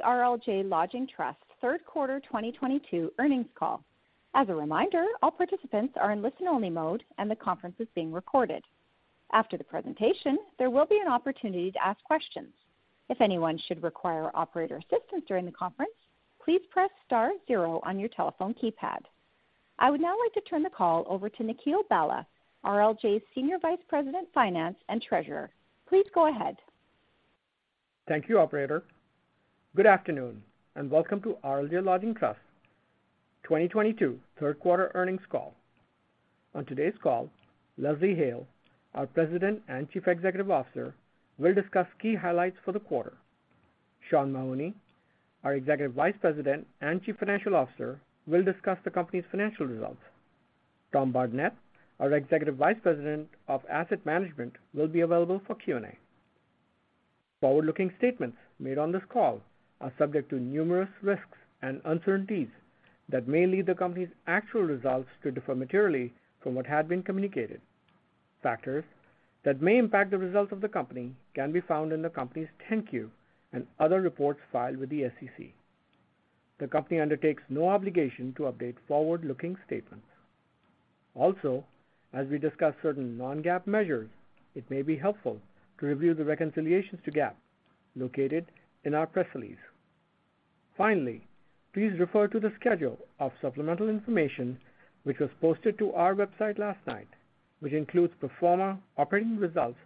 Welcome to the RLJ Lodging Trust third-quarter 2022 earnings call. As a reminder, all participants are in listen-only mode, and the conference is being recorded. After the presentation, there will be an opportunity to ask questions. If anyone should require operator assistance during the conference, please press star zero on your telephone keypad. I would now like to turn the call over to Nikhil Bhalla, RLJ's Senior Vice President, Finance and Treasurer. Please go ahead. Thank you, operator. Good afternoon, and welcome to RLJ Lodging Trust 2022 third-quarter earnings call. On today's call, Leslie Hale, our President and Chief Executive Officer, will discuss key highlights for the quarter. Sean Mahoney, our Executive Vice President and Chief Financial Officer, will discuss the company's financial results. Tom Bardenett, our Executive Vice President of Asset Management, will be available for Q&A. Forward-looking statements made on this call are subject to numerous risks and uncertainties that may lead the company's actual results to differ materially from what had been communicated. Factors that may impact the results of the company can be found in the company's 10-Q and other reports filed with the SEC. The company undertakes no obligation to update forward-looking statements. Also, as we discuss certain non-GAAP measures, it may be helpful to review the reconciliations to GAAP located in our press release. Finally, please refer to the schedule of supplemental information, which was posted to our website last night, which includes pro forma operating results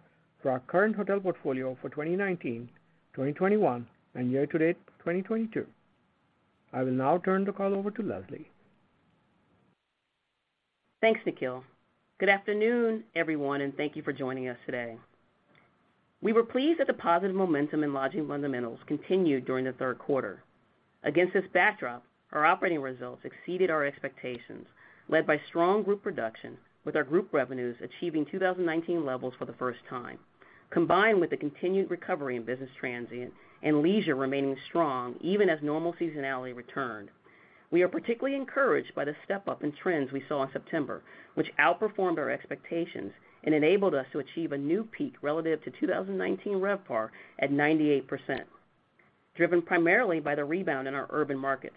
for our current hotel portfolio for 2019, 2021, and year-to-date 2022. I will now turn the call over to Leslie. Thanks, Nikhil. Good afternoon, everyone, and thank you for joining us today. We were pleased that the positive momentum in lodging fundamentals continued during the third-quarter. Against this backdrop, our operating results exceeded our expectations, led by strong group production, with our group revenues achieving 2019 levels for the first time, combined with the continued recovery in business transient and leisure remaining strong even as normal seasonality returned. We are particularly encouraged by the step-up in trends we saw in September, which outperformed our expectations and enabled us to achieve a new peak relative to 2019 RevPAR at 98%, driven primarily by the rebound in our urban markets.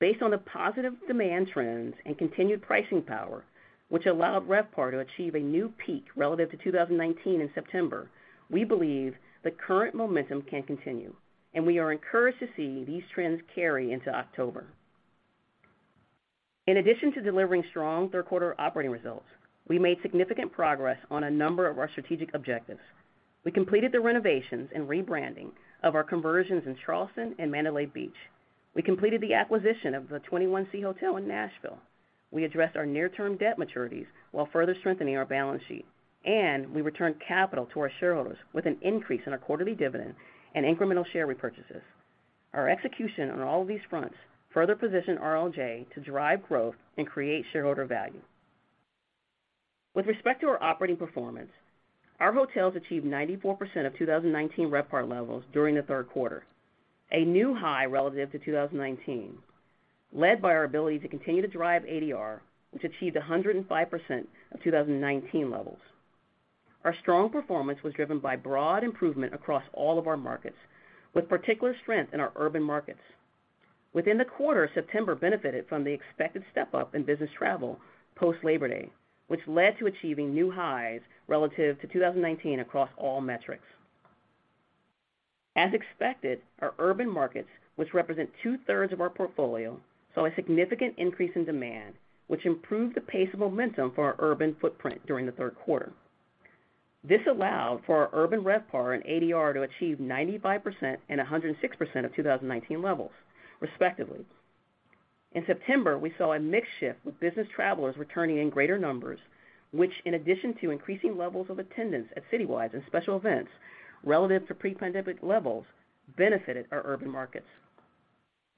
Based on the positive demand trends and continued pricing power, which allowed RevPAR to achieve a new peak relative to 2019 in September, we believe the current momentum can continue, and we are encouraged to see these trends carry into October. In addition to delivering strong third-quarter operating results, we made significant progress on a number of our strategic objectives. We completed the renovations and rebranding of our conversions in Charleston and Mandalay Beach. We completed the acquisition of the 21c Museum Hotel in Nashville. We addressed our near-term debt maturities while further strengthening our balance sheet, and we returned capital to our shareholders with an increase in our quarterly dividend and incremental share repurchases. Our execution on all of these fronts further position RLJ to drive growth and create shareholder value. With respect to our operating performance, our hotels achieved 94% of 2019 RevPAR levels during the third-quarter, a new high relative to 2019, led by our ability to continue to drive ADR, which achieved 105% of 2019 levels. Our strong performance was driven by broad improvement across all of our markets, with particular strength in our urban markets. Within the quarter, September benefited from the expected step-up in business travel post-Labor Day, which led to achieving new highs relative to 2019 across all metrics. As expected, our urban markets, which represent two-thirds of our portfolio, saw a significant increase in demand, which improved the pace of momentum for our urban footprint during the third-quarter. This allowed for our urban RevPAR and ADR to achieve 95% and 106% of 2019 levels, respectively. In September, we saw a mix shift with business travelers returning in greater numbers, which, in addition to increasing levels of attendance at citywides and special events relative to pre-pandemic levels, benefited our urban markets.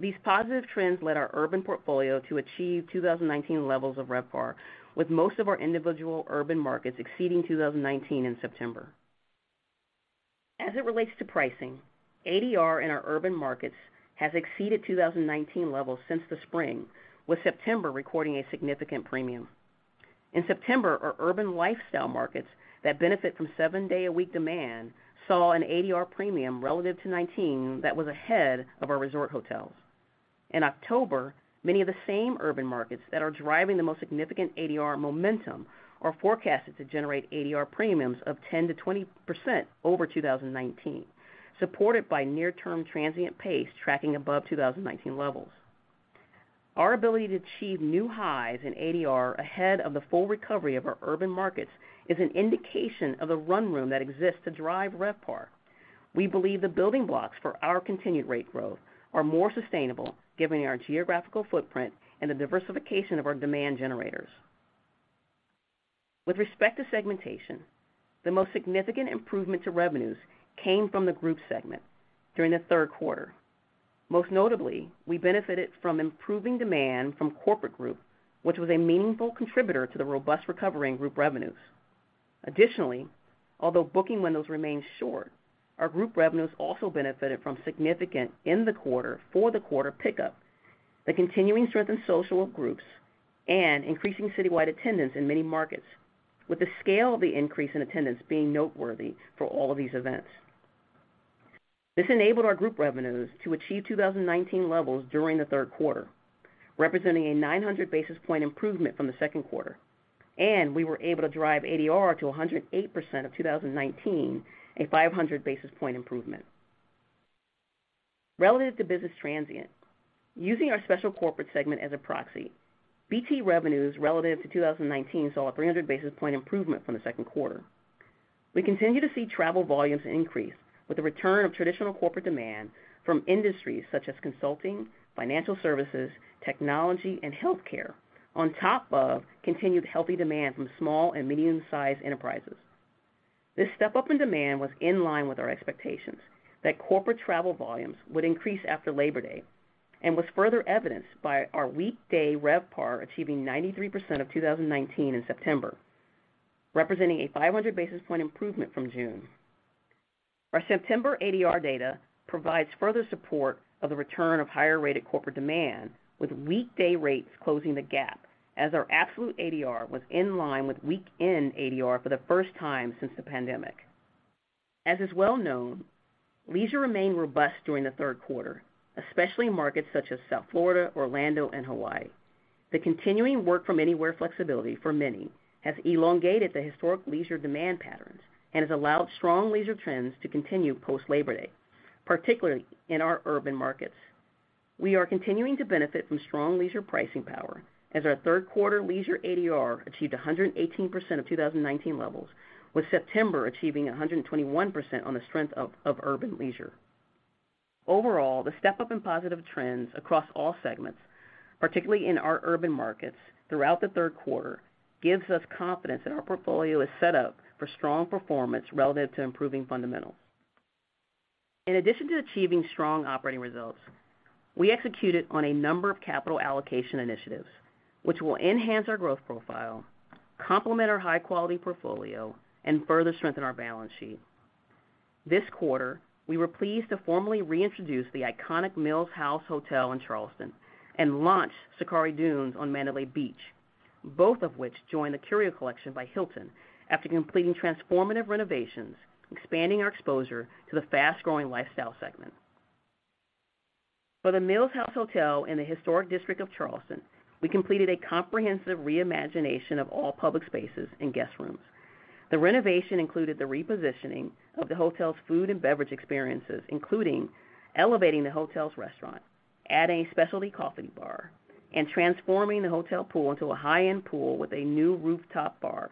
These positive trends led our urban portfolio to achieve 2019 levels of RevPAR, with most of our individual urban markets exceeding 2019 in September. As it relates to pricing, ADR in our urban markets has exceeded 2019 levels since the spring, with September recording a significant premium. In September, our urban lifestyle markets that benefit from seven-day-a-week demand saw an ADR premium relative to 2019 that was ahead of our resort hotels. In October, many of the same urban markets that are driving the most significant ADR momentum are forecasted to generate ADR premiums of 10%-20% over 2019, supported by near-term transient pace tracking above 2019 levels. Our ability to achieve new highs in ADR ahead of the full recovery of our urban markets is an indication of the run room that exists to drive RevPAR. We believe the building blocks for our continued rate growth are more sustainable given our geographical footprint and the diversification of our demand generators. With respect to segmentation, the most significant improvement to revenues came from the group segment during the third-quarter. Most notably, we benefited from improving demand from corporate group, which was a meaningful contributor to the robust recovery in group revenues. Additionally, although booking windows remain short, our group revenues also benefited from significant in-the-quarter/for-the-quarter pickup. The continuing strength in social groups and increasing citywide attendance in many markets, with the scale of the increase in attendance being noteworthy for all of these events. This enabled our group revenues to achieve 2019 levels during the third-quarter, representing a 900 basis point improvement from the second quarter, and we were able to drive ADR to 108% of 2019, a 500 basis point improvement. Relative to business transient, using our special corporate segment as a proxy, BT revenues relative to 2019 saw a 300 basis point improvement from the second quarter. We continue to see travel volumes increase with the return of traditional corporate demand from industries such as consulting, financial services, technology, and healthcare, on top of continued healthy demand from small and medium-sized enterprises. This step-up in demand was in line with our expectations that corporate travel volumes would increase after Labor Day and was further evidenced by our weekday RevPAR achieving 93% of 2019 in September, representing a 500 basis point improvement from June. Our September ADR data provides further support of the return of higher-rated corporate demand, with weekday rates closing the gap as our absolute ADR was in line with weekend ADR for the first time since the pandemic. As is well known, leisure remained robust during the third-quarter, especially in markets such as South Florida, Orlando, and Hawaii. The continuing work-from-anywhere flexibility for many has elongated the historic leisure demand patterns and has allowed strong leisure trends to continue post-Labor Day, particularly in our urban markets. We are continuing to benefit from strong leisure pricing power as our third-quarter leisure ADR achieved 118% of 2019 levels, with September achieving 121% on the strength of urban leisure. Overall, the step-up in positive trends across all segments, particularly in our urban markets throughout the third-quarter, gives us confidence that our portfolio is set up for strong performance relative to improving fundamentals. In addition to achieving strong operating results, we executed on a number of capital allocation initiatives which will enhance our growth profile, complement our high-quality portfolio, and further strengthen our balance sheet. This quarter, we were pleased to formally reintroduce the iconic Mills House Hotel in Charleston and launch Zachari Dunes on Mandalay Beach, both of which join the Curio Collection by Hilton after completing transformative renovations, expanding our exposure to the fast-growing lifestyle segment. For the Mills House Hotel in the historic district of Charleston, we completed a comprehensive reimagination of all public spaces and guest rooms. The renovation included the repositioning of the hotel's food and beverage experiences, including elevating the hotel's restaurant, adding a specialty coffee bar, and transforming the hotel pool into a high-end pool with a new rooftop bar.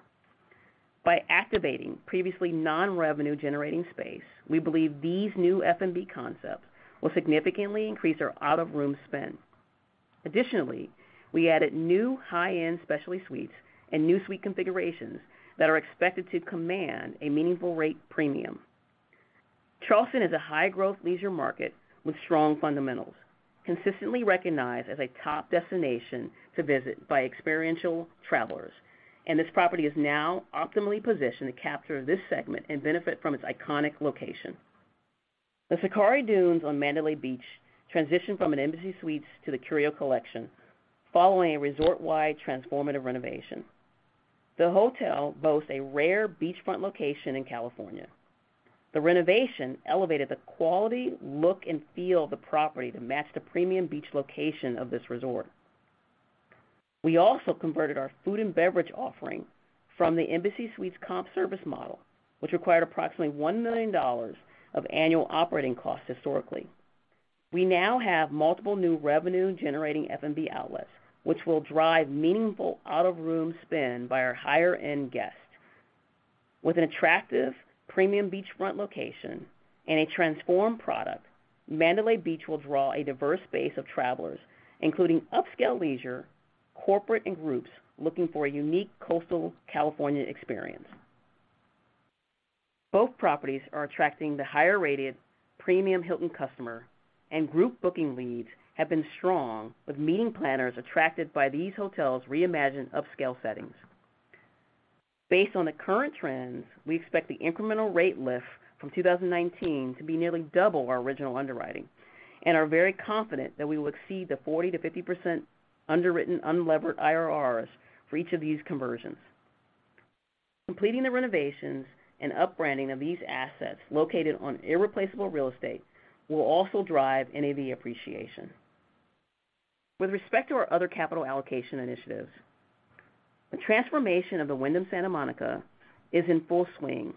By activating previously non-revenue-generating space, we believe these new F&B concepts will significantly increase our out-of-room spend. Additionally, we added new high-end specialty suites and new suite configurations that are expected to command a meaningful rate premium. Charleston is a high-growth leisure market with strong fundamentals, consistently recognized as a top destination to visit by experiential travelers, and this property is now optimally positioned to capture this segment and benefit from its iconic location. The Zachari Dunes on Mandalay Beach transitioned from an Embassy Suites to The Curio Collection following a resort-wide transformative renovation. The hotel boasts a rare beachfront location in California. The renovation elevated the quality, look, and feel of the property to match the premium beach location of this resort. We also converted our food and beverage offering from the Embassy Suites comp service model, which required approximately $1 million of annual operating costs historically. We now have multiple new revenue-generating F&B outlets, which will drive meaningful out-of-room spend by our higher-end guests. With an attractive premium beachfront location and a transformed product, Mandalay Beach will draw a diverse base of travelers, including upscale leisure, corporate, and groups looking for a unique coastal California experience. Both properties are attracting the higher-rated premium Hilton customer, and group booking leads have been strong with meeting planners attracted by these hotels' reimagined upscale settings. Based on the current trends, we expect the incremental rate lift from 2019 to be nearly double our original underwriting and are very confident that we will exceed the 40%-50% underwritten unlevered IRRs for each of these conversions. Completing the renovations and up-branding of these assets located on irreplaceable real estate will also drive NAV appreciation. With respect to our other capital allocation initiatives, the transformation of the Wyndham Santa Monica is in full swing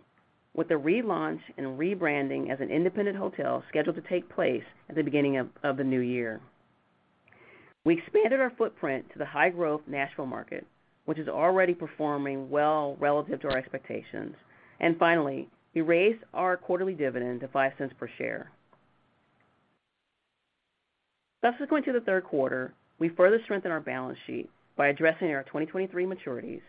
with the relaunch and rebranding as an independent hotel scheduled to take place at the beginning of the new year. We expanded our footprint to the high-growth Nashville market, which is already performing well relative to our expectations. Finally, we raised our quarterly dividend to $0.05 per share. Subsequent to the third-quarter, we further strengthened our balance sheet by addressing our 2023 maturities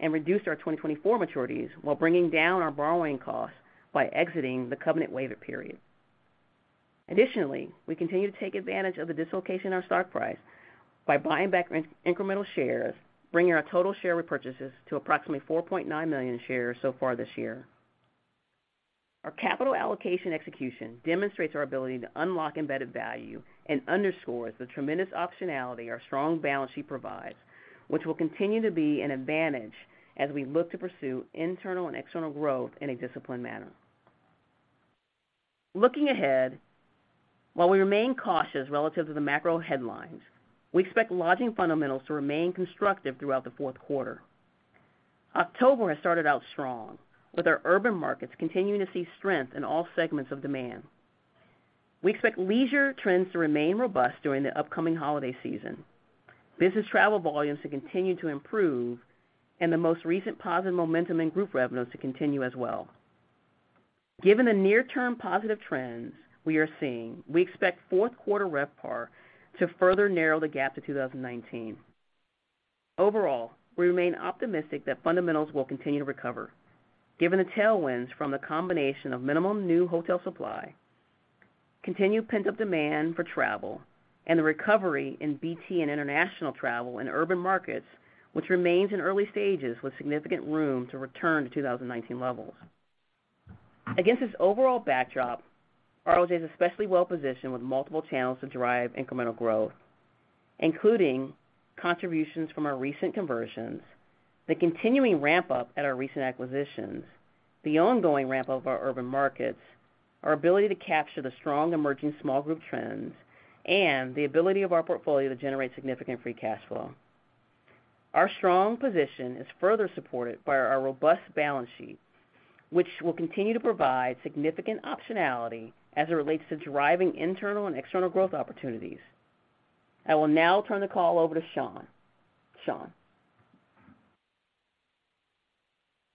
and reduced our 2024 maturities while bringing down our borrowing costs by exiting the covenant waiver period. Additionally, we continue to take advantage of the dislocation in our stock price by buying back incremental shares, bringing our total share repurchases to approximately 4.9 million shares so far this year. Our capital allocation execution demonstrates our ability to unlock embedded value and underscores the tremendous optionality our strong balance sheet provides, which will continue to be an advantage as we look to pursue internal and external growth in a disciplined manner. Looking ahead, while we remain cautious relative to the macro headlines, we expect lodging fundamentals to remain constructive throughout the fourth quarter. October has started out strong, with our urban markets continuing to see strength in all segments of demand. We expect leisure trends to remain robust during the upcoming holiday season, business travel volumes to continue to improve, and the most recent positive momentum in group revenues to continue as well. Given the near-term positive trends we are seeing, we expect fourth quarter RevPAR to further narrow the gap to 2019. Overall, we remain optimistic that fundamentals will continue to recover given the tailwinds from the combination of minimum new hotel supply, continued pent-up demand for travel, and the recovery in BT and international travel in urban markets, which remains in early stages with significant room to return to 2019 levels. Against this overall backdrop, RLJ is especially well positioned with multiple channels to drive incremental growth, including contributions from our recent conversions, the continuing ramp-up at our recent acquisitions, the ongoing ramp-up of our urban markets, our ability to capture the strong emerging small group trends, and the ability of our portfolio to generate significant free cash flow. Our strong position is further supported by our robust balance sheet, which will continue to provide significant optionality as it relates to driving internal and external growth opportunities. I will now turn the call over to Sean. Sean?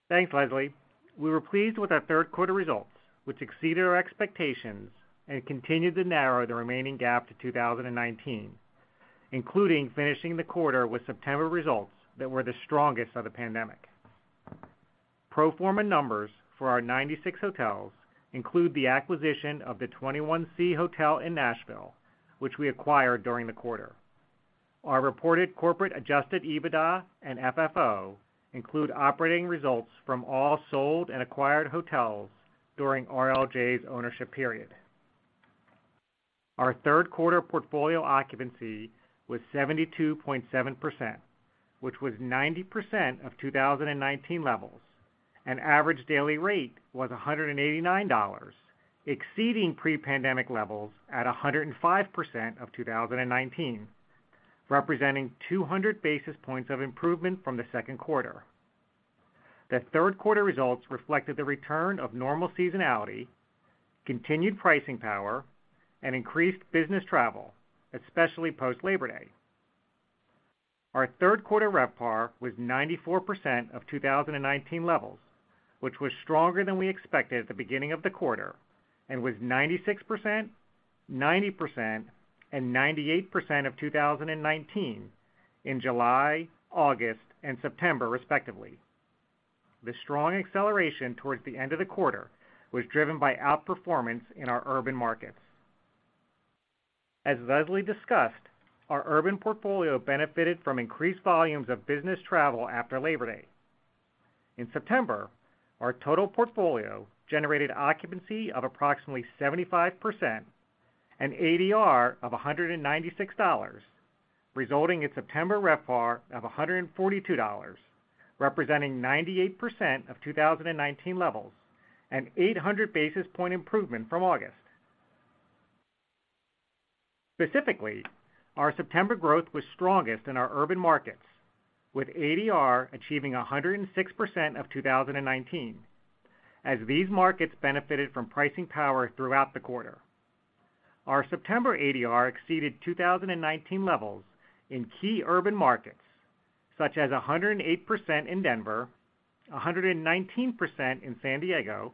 Thanks, Leslie. We were pleased with our third-quarter results, which exceeded our expectations and continued to narrow the remaining gap to 2019, including finishing the quarter with September results that were the strongest of the pandemic. Pro forma numbers for our 96 hotels include the acquisition of the 21c Museum Hotel in Nashville, which we acquired during the quarter. Our reported corporate adjusted EBITDA and FFO include operating results from all sold and acquired hotels during RLJ's ownership period. Our third-quarter portfolio occupancy was 72.7%, which was 90% of 2019 levels, and average daily rate was $189, exceeding pre-pandemic levels at 105% of 2019, representing 200 basis points of improvement from the second quarter. The third-quarter results reflected the return of normal seasonality, continued pricing power, and increased business travel, especially post-Labor Day. Our third-quarter RevPAR was 94% of 2019 levels, which was stronger than we expected at the beginning of the quarter and was 96%, 90%, and 98% of 2019 in July, August, and September, respectively. The strong acceleration towards the end of the quarter was driven by outperformance in our urban markets. As Leslie discussed, our urban portfolio benefited from increased volumes of business travel after Labor Day. In September, our total portfolio generated occupancy of approximately 75% and ADR of $196, resulting in September RevPAR of $142, representing 98% of 2019 levels, an 800 basis point improvement from August. Specifically, our September growth was strongest in our urban markets, with ADR achieving 106% of 2019, as these markets benefited from pricing power throughout the quarter. Our September ADR exceeded 2019 levels in key urban markets, such as 108% in Denver, 119% in San Diego,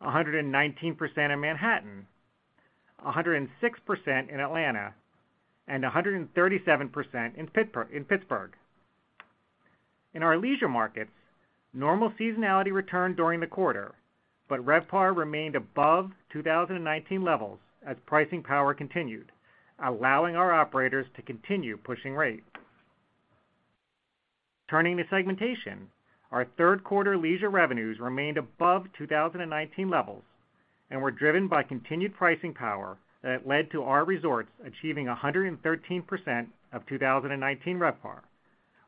119% in Manhattan, 106% in Atlanta, and 137% in Pittsburgh. In our leisure markets, normal seasonality returned during the quarter, but RevPAR remained above 2019 levels as pricing power continued, allowing our operators to continue pushing rates. Turning to segmentation, our third-quarter leisure revenues remained above 2019 levels and were driven by continued pricing power that led to our resorts achieving 113% of 2019 RevPAR,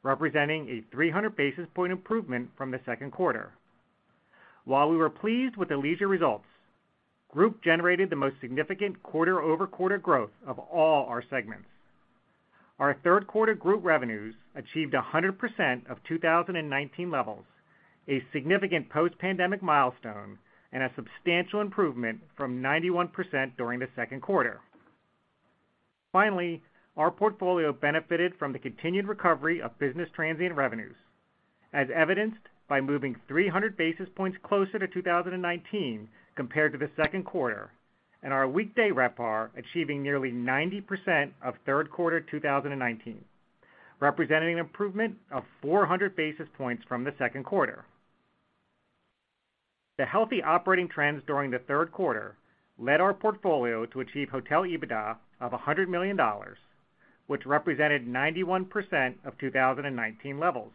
representing a 300 basis point improvement from the second quarter. While we were pleased with the leisure results, group generated the most significant quarter-over-quarter growth of all our segments. Our third-quarter group revenues achieved 100% of 2019 levels, a significant post-pandemic milestone, and a substantial improvement from 91% during the second quarter. Finally, our portfolio benefited from the continued recovery of business transient revenues, as evidenced by moving 300 basis points closer to 2019 compared to the second quarter, and our weekday RevPAR achieving nearly 90% of third-quarter 2019, representing an improvement of 400 basis points from the second quarter. The healthy operating trends during the third quarter led our portfolio to achieve hotel EBITDA of $100 million, which represented 91% of 2019 levels.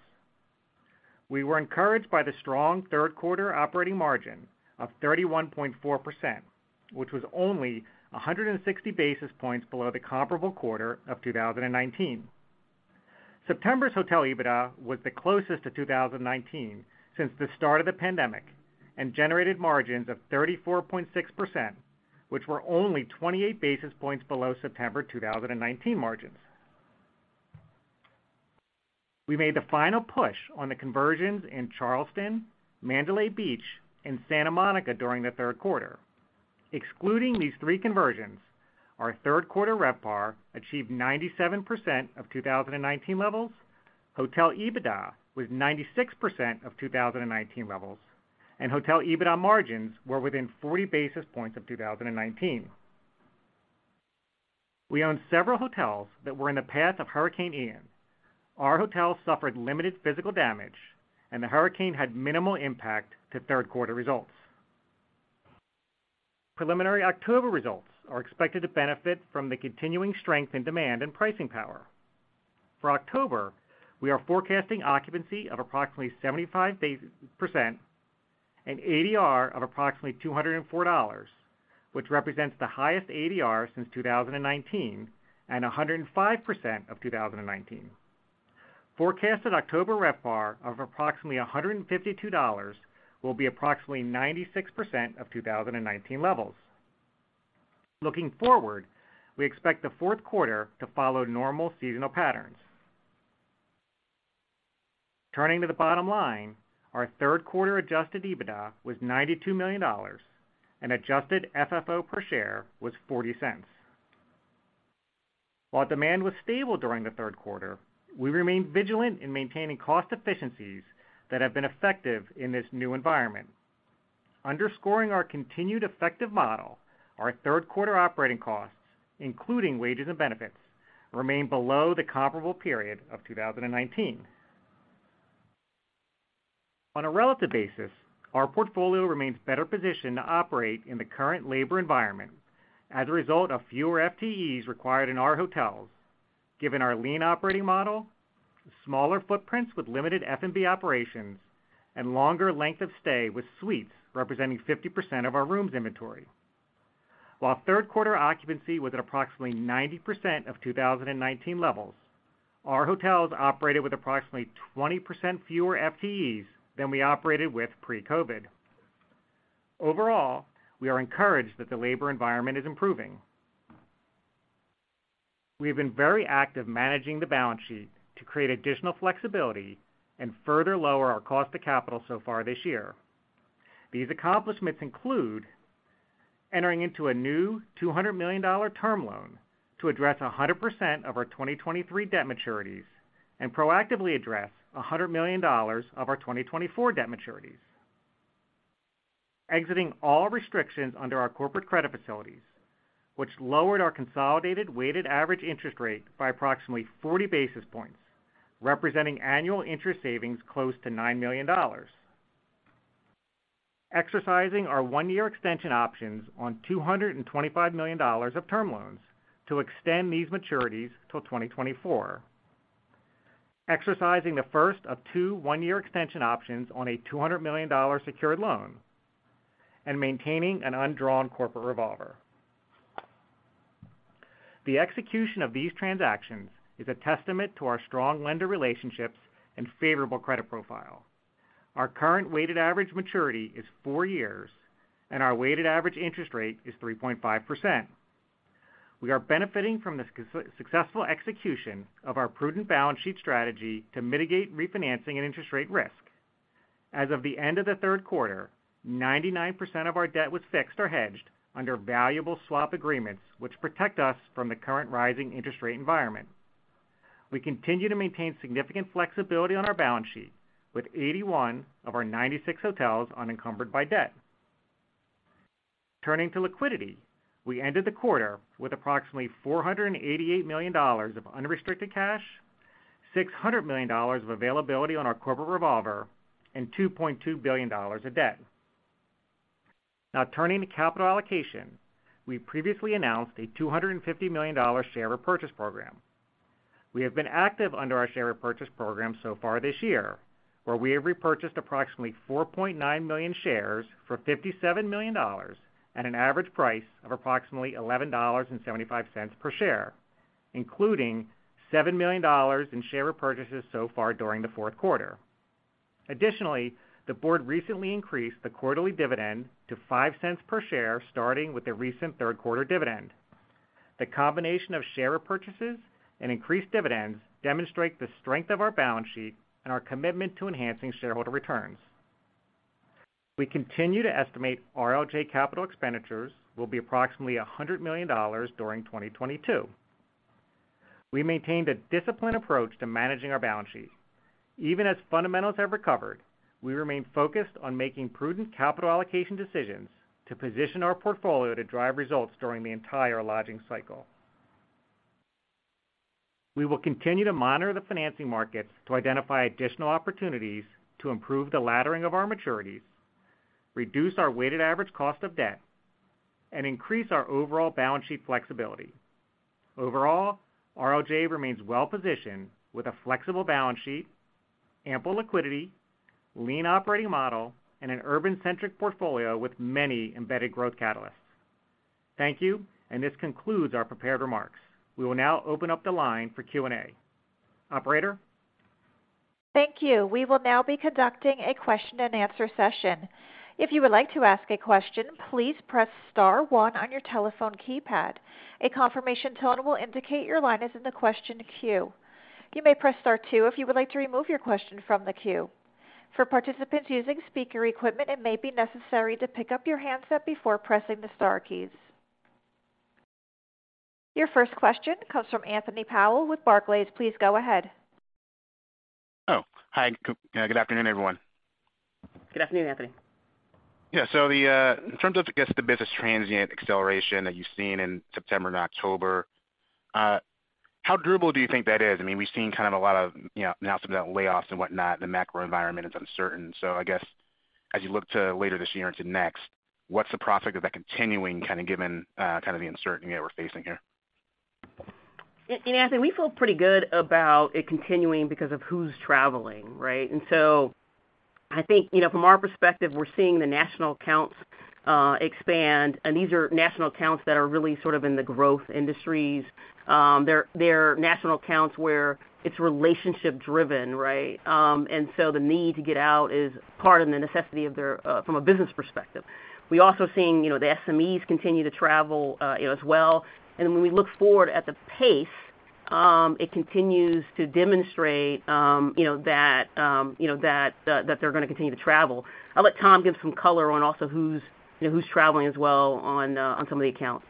We were encouraged by the strong third-quarter operating margin of 31.4%, which was only 160 basis points below the comparable quarter of 2019. September's hotel EBITDA was the closest to 2019 since the start of the pandemic and generated margins of 34.6%, which were only 28 basis points below September 2019 margins. We made the final push on the conversions in Charleston, Mandalay Beach, and Santa Monica during the third-quarter. Excluding these three conversions, our third-quarter RevPAR achieved 97% of 2019 levels. Hotel EBITDA was 96% of 2019 levels, and hotel EBITDA margins were within 40 basis points of 2019. We own several hotels that were in the path of Hurricane Ian. Our hotels suffered limited physical damage, and the hurricane had minimal impact to third-quarter results. Preliminary October results are expected to benefit from the continuing strength in demand and pricing power. For October, we are forecasting occupancy of approximately 75% and ADR of approximately $204, which represents the highest ADR since 2019 and 105% of 2019. Forecasted October RevPAR of approximately $152 will be approximately 96% of 2019 levels. Looking forward, we expect the fourth quarter to follow normal seasonal patterns. Turning to the bottom line, our third-quarter adjusted EBITDA was $92 million, and adjusted FFO per share was $0.40. While demand was stable during the third-quarter, we remained vigilant in maintaining cost efficiencies that have been effective in this new environment. Underscoring our continued effective model, our third-quarter operating costs, including wages and benefits, remain below the comparable period of 2019. On a relative basis, our portfolio remains better positioned to operate in the current labor environment as a result of fewer FTEs required in our hotels, given our lean operating model, smaller footprints with limited F&B operations, and longer length of stay with suites representing 50% of our rooms inventory. While third-quarter occupancy was at approximately 90% of 2019 levels, our hotels operated with approximately 20% fewer FTEs than we operated with pre-COVID. Overall, we are encouraged that the labor environment is improving. We have been very active managing the balance sheet to create additional flexibility and further lower our cost of capital so far this year. These accomplishments include entering into a new $200 million term loan to address 100% of our 2023 debt maturities and proactively address $100 million of our 2024 debt maturities. Exiting all restrictions under our corporate credit facilities, which lowered our consolidated weighted average interest rate by approximately 40 basis points, representing annual interest savings close to $9 million. Exercising our 1-year extension options on $225 million of term loans to extend these maturities till 2024. Exercising the first of two 1-year extension options on a $200 million secured loan, and maintaining an undrawn corporate revolver. The execution of these transactions is a testament to our strong lender relationships and favorable credit profile. Our current weighted average maturity is four years, and our weighted average interest rate is 3.5%. We are benefiting from the successful execution of our prudent balance sheet strategy to mitigate refinancing and interest rate risk. As of the end of the third quarter, 99% of our debt was fixed or hedged under valuable swap agreements, which protect us from the current rising interest rate environment. We continue to maintain significant flexibility on our balance sheet with 81 of our 96 hotels unencumbered by debt. Turning to liquidity, we ended the quarter with approximately $488 million of unrestricted cash, $600 million of availability on our corporate revolver, and $2.2 billion of debt. Now turning to capital allocation, we previously announced a $250 million share repurchase program. We have been active under our share repurchase program so far this year, where we have repurchased approximately 4.9 million shares for $57 million at an average price of approximately $11.75 per share, including $7 million in share repurchases so far during the fourth quarter. Additionally, the board recently increased the quarterly dividend to $0.05 per share, starting with the recent third-quarter dividend. The combination of share repurchases and increased dividends demonstrate the strength of our balance sheet and our commitment to enhancing shareholder returns. We continue to estimate RLJ capital expenditures will be approximately $100 million during 2022. We maintained a disciplined approach to managing our balance sheet. Even as fundamentals have recovered, we remain focused on making prudent capital allocation decisions to position our portfolio to drive results during the entire lodging cycle. We will continue to monitor the financing markets to identify additional opportunities to improve the laddering of our maturities. Reduce our weighted average cost of debt, and increase our overall balance sheet flexibility. Overall, RLJ remains well-positioned with a flexible balance sheet, ample liquidity, lean operating model, and an urban-centric portfolio with many embedded growth catalysts. Thank you, and this concludes our prepared remarks. We will now open up the line for Q&A. Operator? Thank you. We will now be conducting a question-and-answer session. If you would like to ask a question, please press star one on your telephone keypad. A confirmation tone will indicate your line is in the question queue. You may press star two if you would like to remove your question from the queue. For participants using speaker equipment, it may be necessary to pick up your handset before pressing the star keys. Your first question comes from Anthony Powell with Barclays. Please go ahead. Oh, hi. Good afternoon, everyone. Good afternoon, Anthony. In terms of, I guess, the business transient acceleration that you've seen in September and October, how durable do you think that is? I mean, we've seen kind of a lot of, you know, announcements about layoffs and whatnot, the macro environment is uncertain. I guess, as you look to later this year into next, what's the prospect of that continuing kind of given kind of the uncertainty that we're facing here? Anthony, we feel pretty good about it continuing because of who's traveling, right? I think, you know, from our perspective, we're seeing the national accounts expand, and these are national accounts that are really sort of in the growth industries. They're national accounts where it's relationship-driven, right? The need to get out is part of the necessity of their from a business perspective. We're also seeing, you know, the SMEs continue to travel, you know, as well. When we look forward at the pace, it continues to demonstrate, you know, that they're gonna continue to travel. I'll let Tom give some color on also who's, you know, traveling as well on some of the accounts.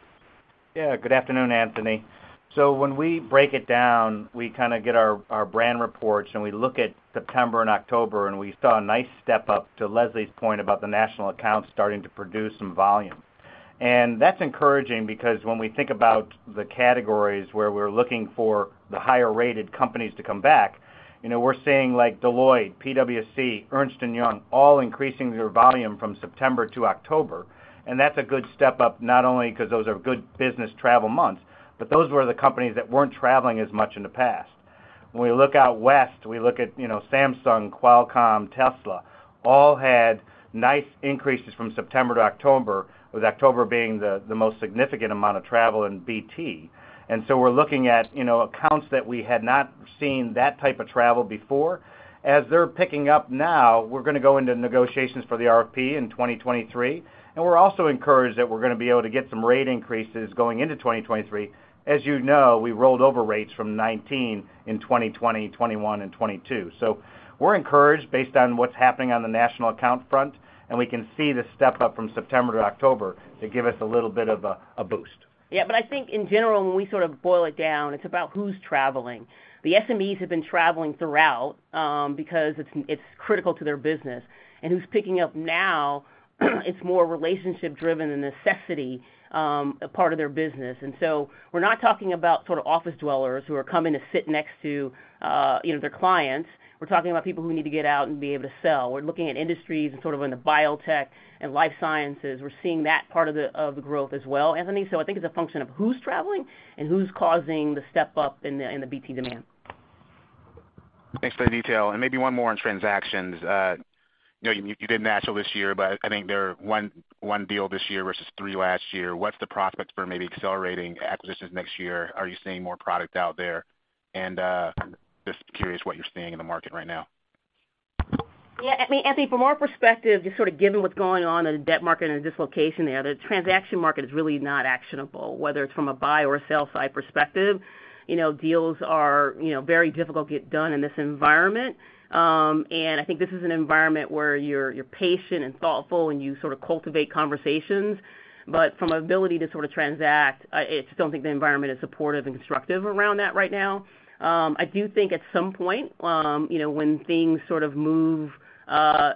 Yeah. Good afternoon, Anthony. So when we break it down, we kind of get our brand reports, and we look at September and October, and we saw a nice step up to Leslie's point about the national accounts starting to produce some volume. That's encouraging because when we think about the categories where we're looking for the higher-rated companies to come back, you know, we're seeing like Deloitte, PwC, Ernst & Young, all increasing their volume from September to October. That's a good step up, not only 'cause those are good business travel months, but those were the companies that weren't traveling as much in the past. When we look out west, we look at, you know, Samsung, Qualcomm, Tesla, all had nice increases from September to October, with October being the most significant amount of travel in BT. We're looking at, you know, accounts that we had not seen that type of travel before. As they're picking up now, we're gonna go into negotiations for the RFP in 2023, and we're also encouraged that we're gonna be able to get some rate increases going into 2023. As you know, we rolled over rates from 2019 in 2020, 2021, and 2022. We're encouraged based on what's happening on the national account front, and we can see the step up from September to October to give us a little bit of a boost. Yeah. I think in general, when we sort of boil it down, it's about who's traveling. The SMEs have been traveling throughout, because it's critical to their business. Who's picking up now, it's more relationship-driven and necessity, a part of their business. We're not talking about sort of office dwellers who are coming to sit next to, you know, their clients. We're talking about people who need to get out and be able to sell. We're looking at industries and sort of in the biotech and life sciences. We're seeing that part of the growth as well, Anthony. I think it's a function of who's traveling and who's causing the step up in the BT demand. Thanks for the detail. Maybe one more on transactions. You know, you did none this year, but I think there are one deal this year versus three last year. What's the prospects for maybe accelerating acquisitions next year? Are you seeing more product out there? Just curious what you're seeing in the market right now. Yeah. I mean, Anthony, from our perspective, just sort of given what's going on in the debt market and the dislocation there, the transaction market is really not actionable, whether it's from a buy or a sell side perspective. You know, deals are, you know, very difficult to get done in this environment. I think this is an environment where you're patient and thoughtful, and you sort of cultivate conversations. But from ability to sort of transact, I don't think the environment is supportive and constructive around that right now. I do think at some point, you know, when things sort of move,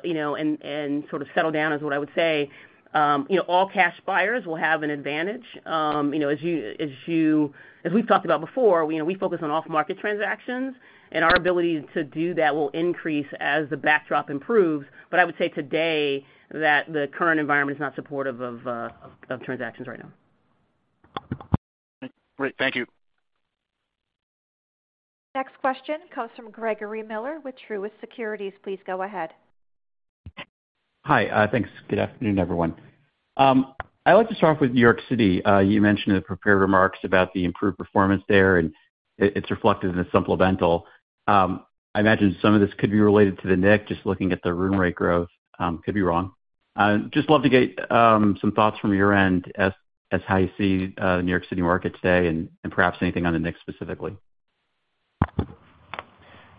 you know, and sort of settle down, is what I would say, you know, all-cash buyers will have an advantage. You know, as we've talked about before, you know, we focus on off-market transactions, and our ability to do that will increase as the backdrop improves. I would say today that the current environment is not supportive of transactions right now. Great. Thank you. Next question comes from Gregory Miller with Truist Securities. Please go ahead. Hi. Thanks. Good afternoon, everyone. I'd like to start off with New York City. You mentioned in the prepared remarks about the improved performance there, and it's reflected in the supplemental. I imagine some of this could be related to The Knick, just looking at the room rate growth, could be wrong. Just love to get some thoughts from your end as how you see the New York City market today and perhaps anything on The Knick specifically.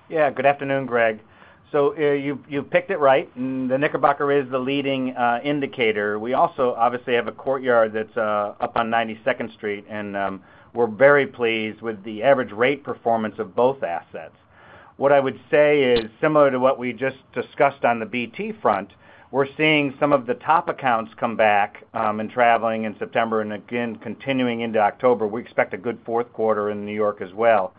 Yeah. Good afternoon, Greg. You picked it right. The Knickerbocker is the leading indicator. We also obviously have a Courtyard that's up on 92nd Street, and we're very pleased with the average rate performance of both assets. What I would say is similar to what we just discussed on the BT front, we're seeing some of the top accounts come back in traveling in September and again continuing into October. We expect a good fourth quarter in New York as well.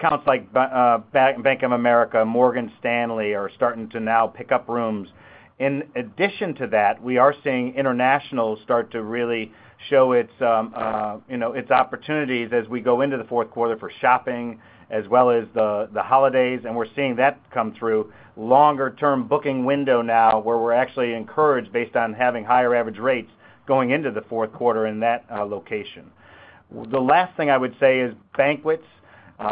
Accounts like Bank of America, Morgan Stanley are starting to now pick up rooms. In addition to that, we are seeing international start to really show its you know, its opportunities as we go into the fourth quarter for shopping as well as the holidays, and we're seeing that come through longer-term booking window now, where we're actually encouraged based on having higher average rates going into the fourth quarter in that location. The last thing I would say is banquets,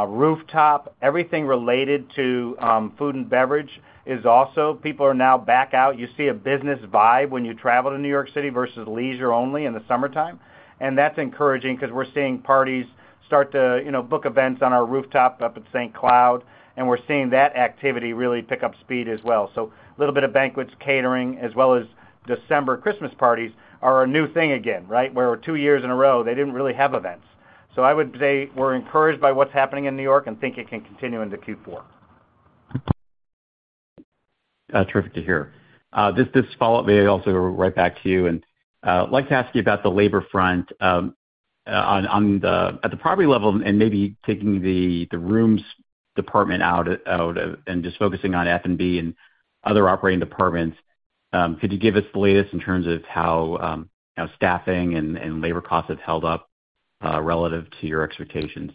rooftop, everything related to food and beverage is also. People are now back out. You see a business vibe when you travel to New York City versus leisure only in the summertime, and that's encouraging because we're seeing parties start to, you know, book events on our rooftop up at St. Cloud, and we're seeing that activity really pick up speed as well. A little bit of banquets, catering, as well as December Christmas parties are a new thing again, right? Where two years in a row, they didn't really have events. I would say we're encouraged by what's happening in New York and think it can continue into Q4. Terrific to hear. Like to ask you about the labor front at the property level, and maybe taking the rooms department out and just focusing on F&B and other operating departments. Could you give us the latest in terms of how staffing and labor costs have held up relative to your expectations?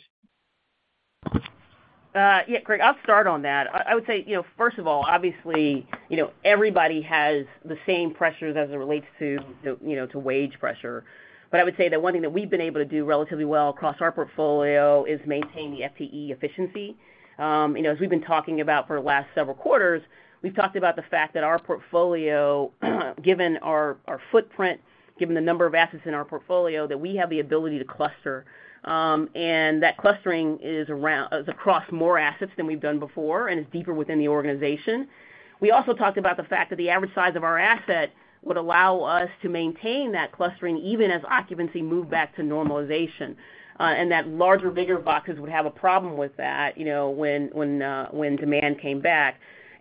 Yeah, Greg, I'll start on that. I would say, you know, first of all, obviously, you know, everybody has the same pressures as it relates to, you know, to wage pressure. I would say that one thing that we've been able to do relatively well across our portfolio is maintain the FTE efficiency. You know, as we've been talking about for the last several quarters, we've talked about the fact that our portfolio, given our footprint, given the number of assets in our portfolio, that we have the ability to cluster. That clustering is across more assets than we've done before and is deeper within the organization. We also talked about the fact that the average size of our asset would allow us to maintain that clustering even as occupancy moved back to normalization, and that larger, bigger boxes would have a problem with that, you know, when demand came back.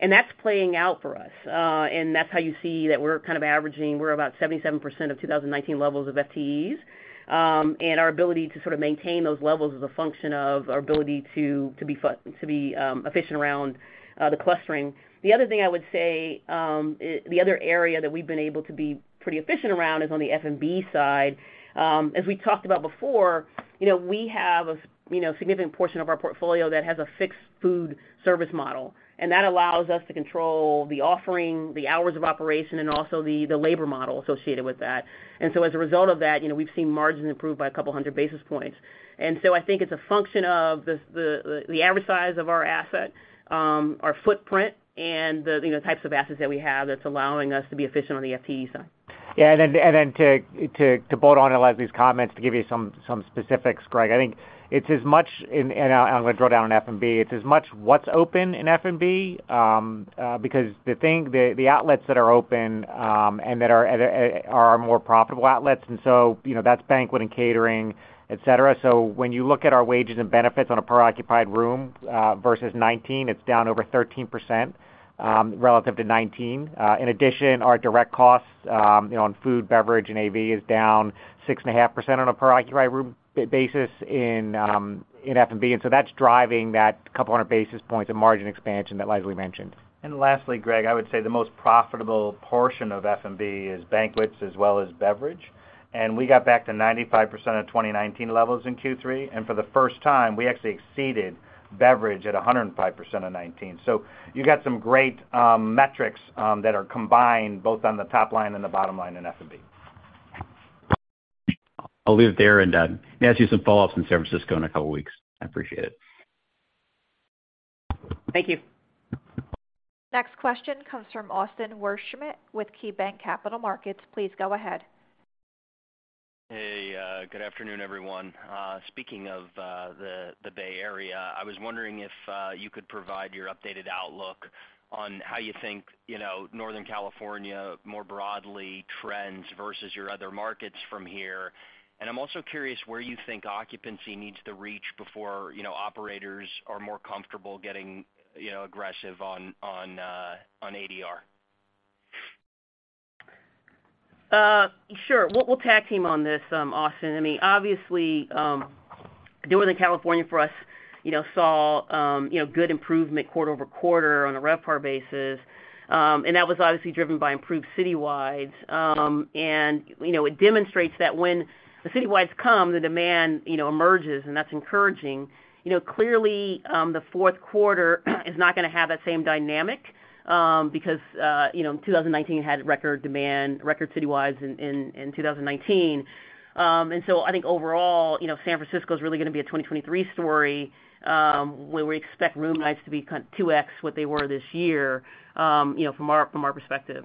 That's playing out for us. That's how you see that we're kind of averaging, we're about 77% of 2019 levels of FTEs. Our ability to sort of maintain those levels is a function of our ability to be efficient around the clustering. The other thing I would say, the other area that we've been able to be pretty efficient around is on the F&B side. As we talked about before, you know, we have a, you know, significant portion of our portfolio that has a fixed food service model, and that allows us to control the offering, the hours of operation, and also the labor model associated with that. As a result of that, you know, we've seen margins improve by a couple hundred basis points. I think it's a function of the average size of our asset, our footprint, and the, you know, types of assets that we have that's allowing us to be efficient on the FTE side. To bolt on to Leslie's comments, to give you some specifics, Greg, I think it's as much, and I'm going to drill down on F&B, it's as much what's open in F&B, because the outlets that are open, and that are our more profitable outlets, you know, that's banquet and catering, et cetera. When you look at our wages and benefits on a per occupied room versus 2019, it's down over 13% relative to 2019. In addition, our direct costs, you know, on food, beverage, and AV is down 6.5% on a per occupied room basis in F&B. That's driving that couple hundred basis points of margin expansion that Leslie mentioned. Lastly, Greg, I would say the most profitable portion of F&B is banquets as well as beverage. We got back to 95% of 2019 levels in Q3, and for the first time, we actually exceeded beverage at 105% of 2019. You got some great metrics that are combined both on the top line and the bottom line in F&B. I'll leave it there, and may ask you some follow-ups in San Francisco in a couple of weeks. I appreciate it. Thank you. Next question comes from Austin Wurschmidt with KeyBanc Capital Markets. Please go ahead. Hey, good afternoon, everyone. Speaking of the Bay Area, I was wondering if you could provide your updated outlook on how you think, you know, Northern California more broadly trends versus your other markets from here. I'm also curious where you think occupancy needs to reach before, you know, operators are more comfortable getting, you know, aggressive on ADR. Sure. We'll tag team on this, Austin. I mean, obviously, Northern California for us, you know, saw you know good improvement quarter-over-quarter on a RevPAR basis. That was obviously driven by improved citywide. You know, it demonstrates that when the citywides come, the demand, you know, emerges, and that's encouraging. You know, clearly, the fourth quarter is not gonna have that same dynamic, because you know 2019 had record demand, record citywides in 2019. I think overall, you know, San Francisco is really gonna be a 2023 story, where we expect room nights to be kind of 2x what they were this year, you know, from our perspective.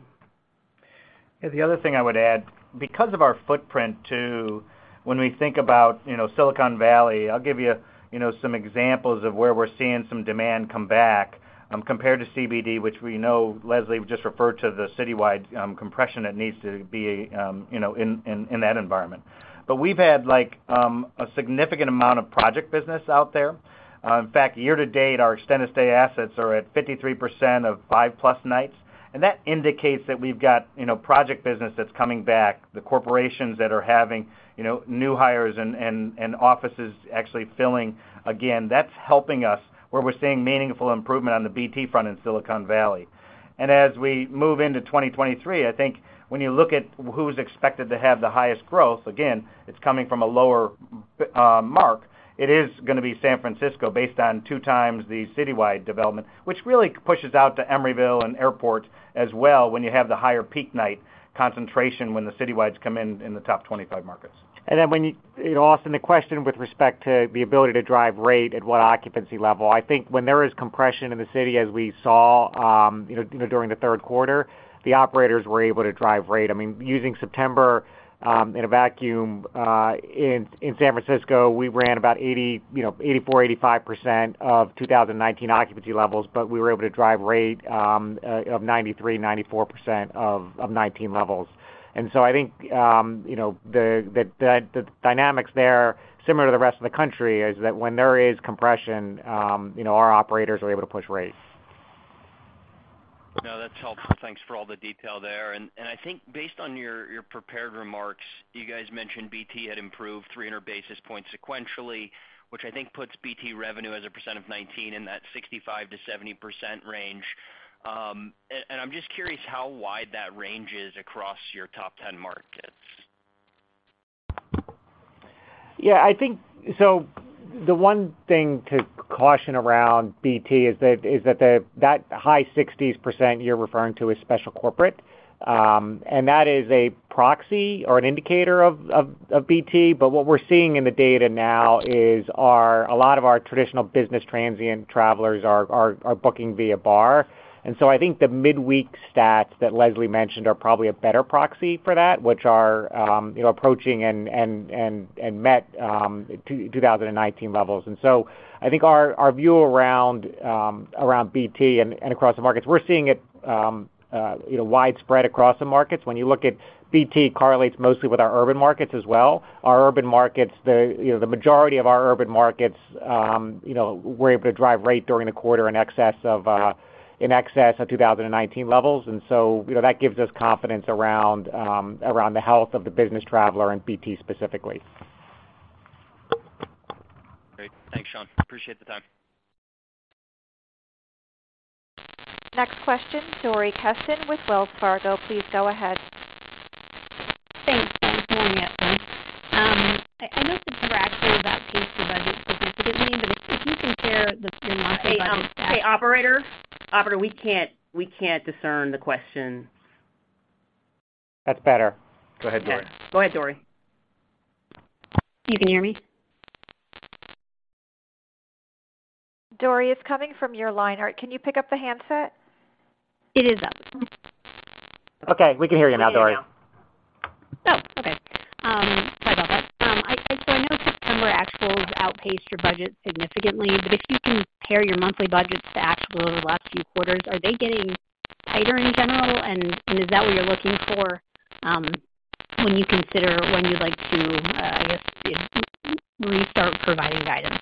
Yeah. The other thing I would add, because of our footprint too, when we think about, you know, Silicon Valley, I'll give you know, some examples of where we're seeing some demand come back, compared to CBD, which we know Leslie just referred to the citywide compression that needs to be, you know, in that environment. We've had, like, a significant amount of project business out there. In fact, year to date, our extended stay assets are at 53% of 5+ nights, and that indicates that we've got, you know, project business that's coming back. The corporations that are having, you know, new hires and offices actually filling again. That's helping us where we're seeing meaningful improvement on the BT front in Silicon Valley. As we move into 2023, I think when you look at who's expected to have the highest growth, again, it's coming from a lower, Mark, it is gonna be San Francisco based on 2 times the citywide development, which really pushes out to Emeryville and Airport as well when you have the higher peak night concentration, when the citywides come in in the top 25 markets. Austin, the question with respect to the ability to drive rate at what occupancy level? I think when there is compression in the city, as we saw, you know, during the third quarter, the operators were able to drive rate. I mean, using September, in a vacuum, in San Francisco, we ran about 80%, you know, 84%-85% of 2019 occupancy levels, but we were able to drive rate of 93%-94% of 2019 levels. I think, you know, the dynamics there, similar to the rest of the country, is that when there is compression, you know, our operators are able to push rates. No, that's helpful. Thanks for all the detail there. I think based on your prepared remarks, you guys mentioned BT had improved 300 basis points sequentially, which I think puts BT revenue as a percent of total revenue in that 65%-70% range. I'm just curious how wide that range is across your top 10 markets. I think the one thing to caution around BT is that the high 60s% you're referring to is special corporate. That is a proxy or an indicator of BT. What we're seeing in the data now is a lot of our traditional business transient travelers are booking via bar. I think the midweek stats that Leslie mentioned are probably a better proxy for that, which are, you know, approaching and met 2019 levels. I think our view around BT and across the markets, we're seeing it, you know, widespread across the markets. When you look at BT correlates mostly with our urban markets as well. Our urban markets, you know, the majority of our urban markets, we're able to drive rate during the quarter in excess of 2019 levels. You know, that gives us confidence around the health of the business traveler and BT specifically. Great. Thanks, Sean. Appreciate the time. Next question, Dori Kesten with Wells Fargo. Please go ahead. Thanks. Good morning, everyone. I know September actuals outpaced your budget significantly, but if you can share the- Hey, operator. Operator, we can't discern the question. That's better. Go ahead, Dori. Yes. Go ahead, Dori. You can hear me? Dori, it's coming from your line. Or can you pick up the handset? It is up. Okay, we can hear you now, Dori. We can hear you now. Sorry about that. So I know September actuals outpaced your budget significantly, but if you can compare your monthly budgets to actuals over the last few quarters, are they getting tighter in general? Is that what you're looking for, when you consider when you'd like to restart providing guidance?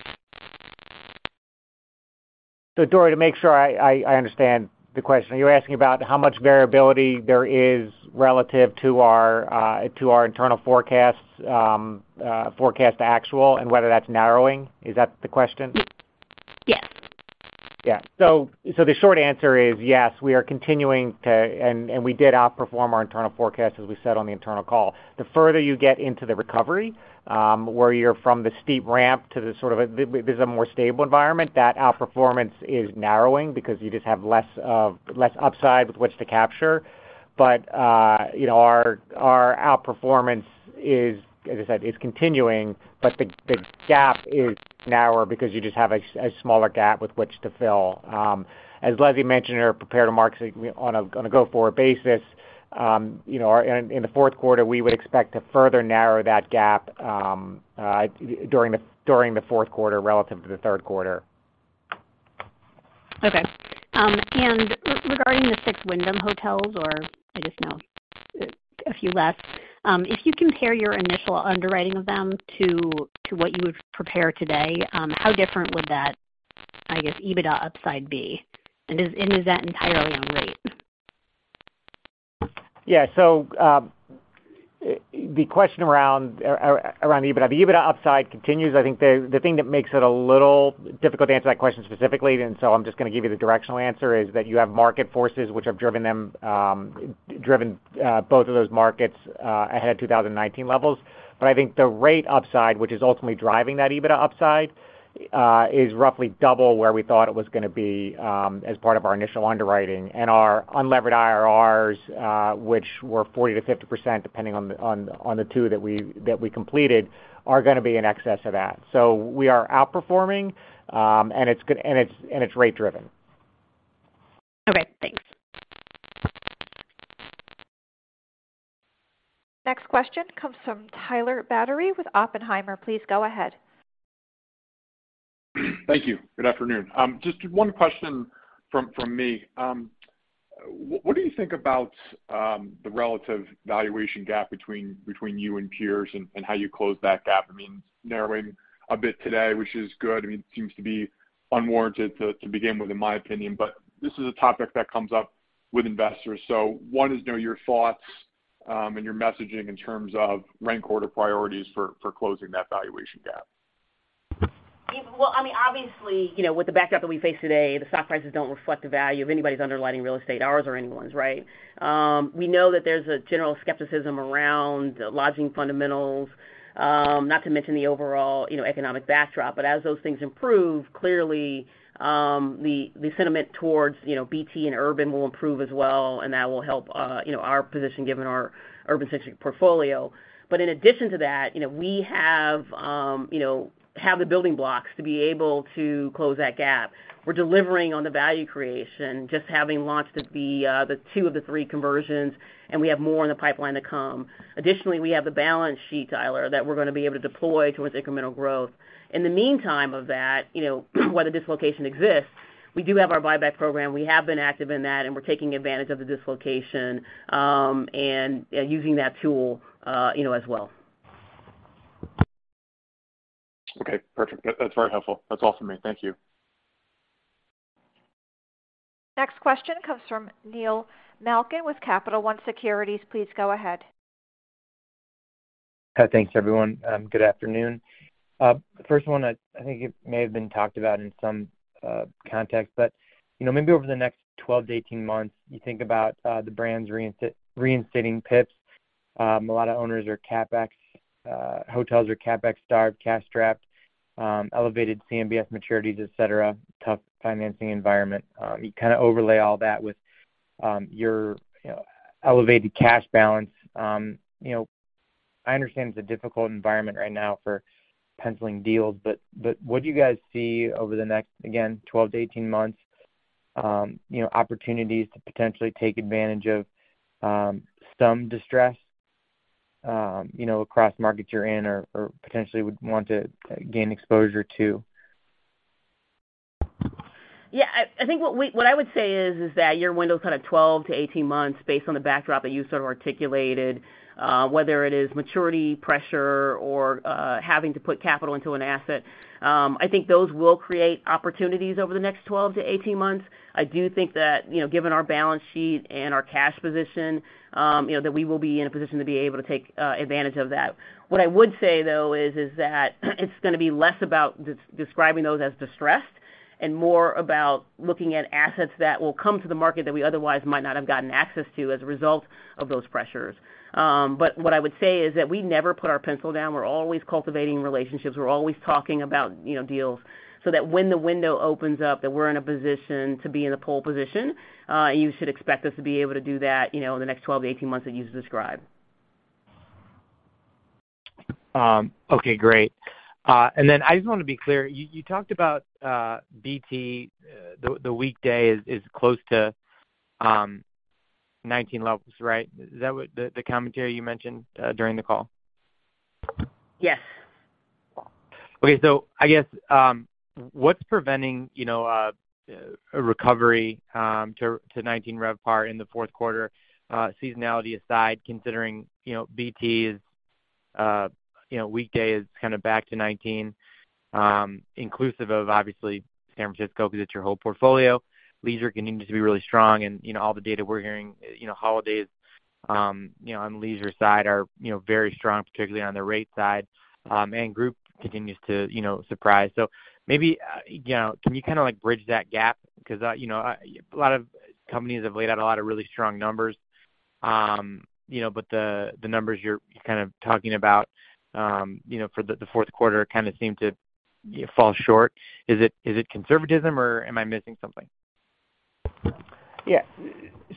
Dori, to make sure I understand the question, you're asking about how much variability there is relative to our internal forecasts, forecast actual and whether that's narrowing. Is that the question? Yes. The short answer is yes, we are continuing to outperform our internal forecast, as we said on the internal call. The further you get into the recovery, where you go from the steep ramp to a more stable environment, that outperformance is narrowing because you just have less upside with which to capture. But you know, our outperformance, as I said, is continuing, but the gap is narrower because you just have a smaller gap with which to fill. As Leslie mentioned in her prepared remarks, on a go-forward basis, you know, in the fourth quarter, we would expect to further narrow that gap during the fourth quarter relative to the third quarter. Regarding the six Wyndham hotels, or I guess now a few less, if you compare your initial underwriting of them to what you would prepare today, how different would that, I guess, EBITDA upside be? Is that entirely on rate? Yeah. The question around the EBITDA. The EBITDA upside continues. I think the thing that makes it a little difficult to answer that question specifically, and so I'm just gonna give you the directional answer, is that you have market forces which have driven both of those markets ahead of 2019 levels. But I think the rate upside, which is ultimately driving that EBITDA upside, is roughly double where we thought it was gonna be, as part of our initial underwriting. And our unlevered IRRs, which were 40%-50%, depending on the two that we completed, are gonna be in excess of that. We are outperforming, and it's rate driven. Okay, thanks. Next question comes from Tyler Batory with Oppenheimer. Please go ahead. Thank you. Good afternoon. Just one question from me. What do you think about the relative valuation gap between you and peers, and how you close that gap? I mean, narrowing a bit today, which is good. I mean, it seems to be unwarranted to begin with, in my opinion. This is a topic that comes up with investors. One is, you know, your thoughts and your messaging in terms of rank order priorities for closing that valuation gap. Well, I mean, obviously, you know, with the backdrop that we face today, the stock prices don't reflect the value of anybody's underlying real estate, ours or anyone's, right? We know that there's a general skepticism around lodging fundamentals, not to mention the overall, you know, economic backdrop. As those things improve, clearly, the sentiment towards, you know, BT and urban will improve as well, and that will help, you know, our position given our urban-centric portfolio. In addition to that, you know, we have the building blocks to be able to close that gap. We're delivering on the value creation, just having launched the two of the three conversions, and we have more in the pipeline to come. Additionally, we have the balance sheet, Tyler, that we're gonna be able to deploy towards incremental growth. In the meantime of that, you know, where the dislocation exists, we do have our buyback program. We have been active in that, and we're taking advantage of the dislocation, and using that tool, you know, as well. Okay, perfect. That, that's very helpful. That's all for me. Thank you. Next question comes from Neil Malkin with Capital One Securities. Please go ahead. Thanks, everyone. Good afternoon. The first one, I think it may have been talked about in some context, but you know, maybe over the next 12-18 months, you think about the brands reinstating PIPs. A lot of owners are CapEx, hotels are CapEx-starved, cash-strapped, elevated CMBS maturities, et cetera, tough financing environment. You kind of overlay all that with your, you know, elevated cash balance. You know, I understand it's a difficult environment right now for penciling deals, but what do you guys see over the next, again, 12-18 months, you know, opportunities to potentially take advantage of some distress, you know, across markets you're in or potentially would want to gain exposure to? Yeah. I think what I would say is that your window's kind of 12-18 months based on the backdrop that you sort of articulated, whether it is maturity pressure or having to put capital into an asset. I think those will create opportunities over the next 12-18 months. I do think that, you know, given our balance sheet and our cash position, you know, that we will be in a position to be able to take advantage of that. What I would say, though, is that it's gonna be less about describing those as distressed and more about looking at assets that will come to the market that we otherwise might not have gotten access to as a result of those pressures. What I would say is that we never put our pencil down. We're always cultivating relationships. We're always talking about, you know, deals so that when the window opens up, that we're in a position to be in the pole position. You should expect us to be able to do that, you know, in the next 12-18 months that you just described. I just wanna be clear. You talked about BT, the weekday is close to 19 levels, right? Is that what the commentary you mentioned during the call? Yes. Okay. I guess what's preventing a recovery to 19 RevPAR in the fourth quarter, seasonality aside, considering BT's weekday is kind of back to 19, inclusive of obviously, San Francisco because it's your whole portfolio. Leisure continues to be really strong, and all the data we're hearing, holidays on the leisure side are very strong, particularly on the rate side, and group continues to surprise. Maybe you know, can you kind of like bridge that gap? 'Cause a lot of companies have laid out a lot of really strong numbers, but the numbers you're kind of talking about for the fourth quarter kind of seem to fall short. Is it conservatism, or am I missing something? Yeah,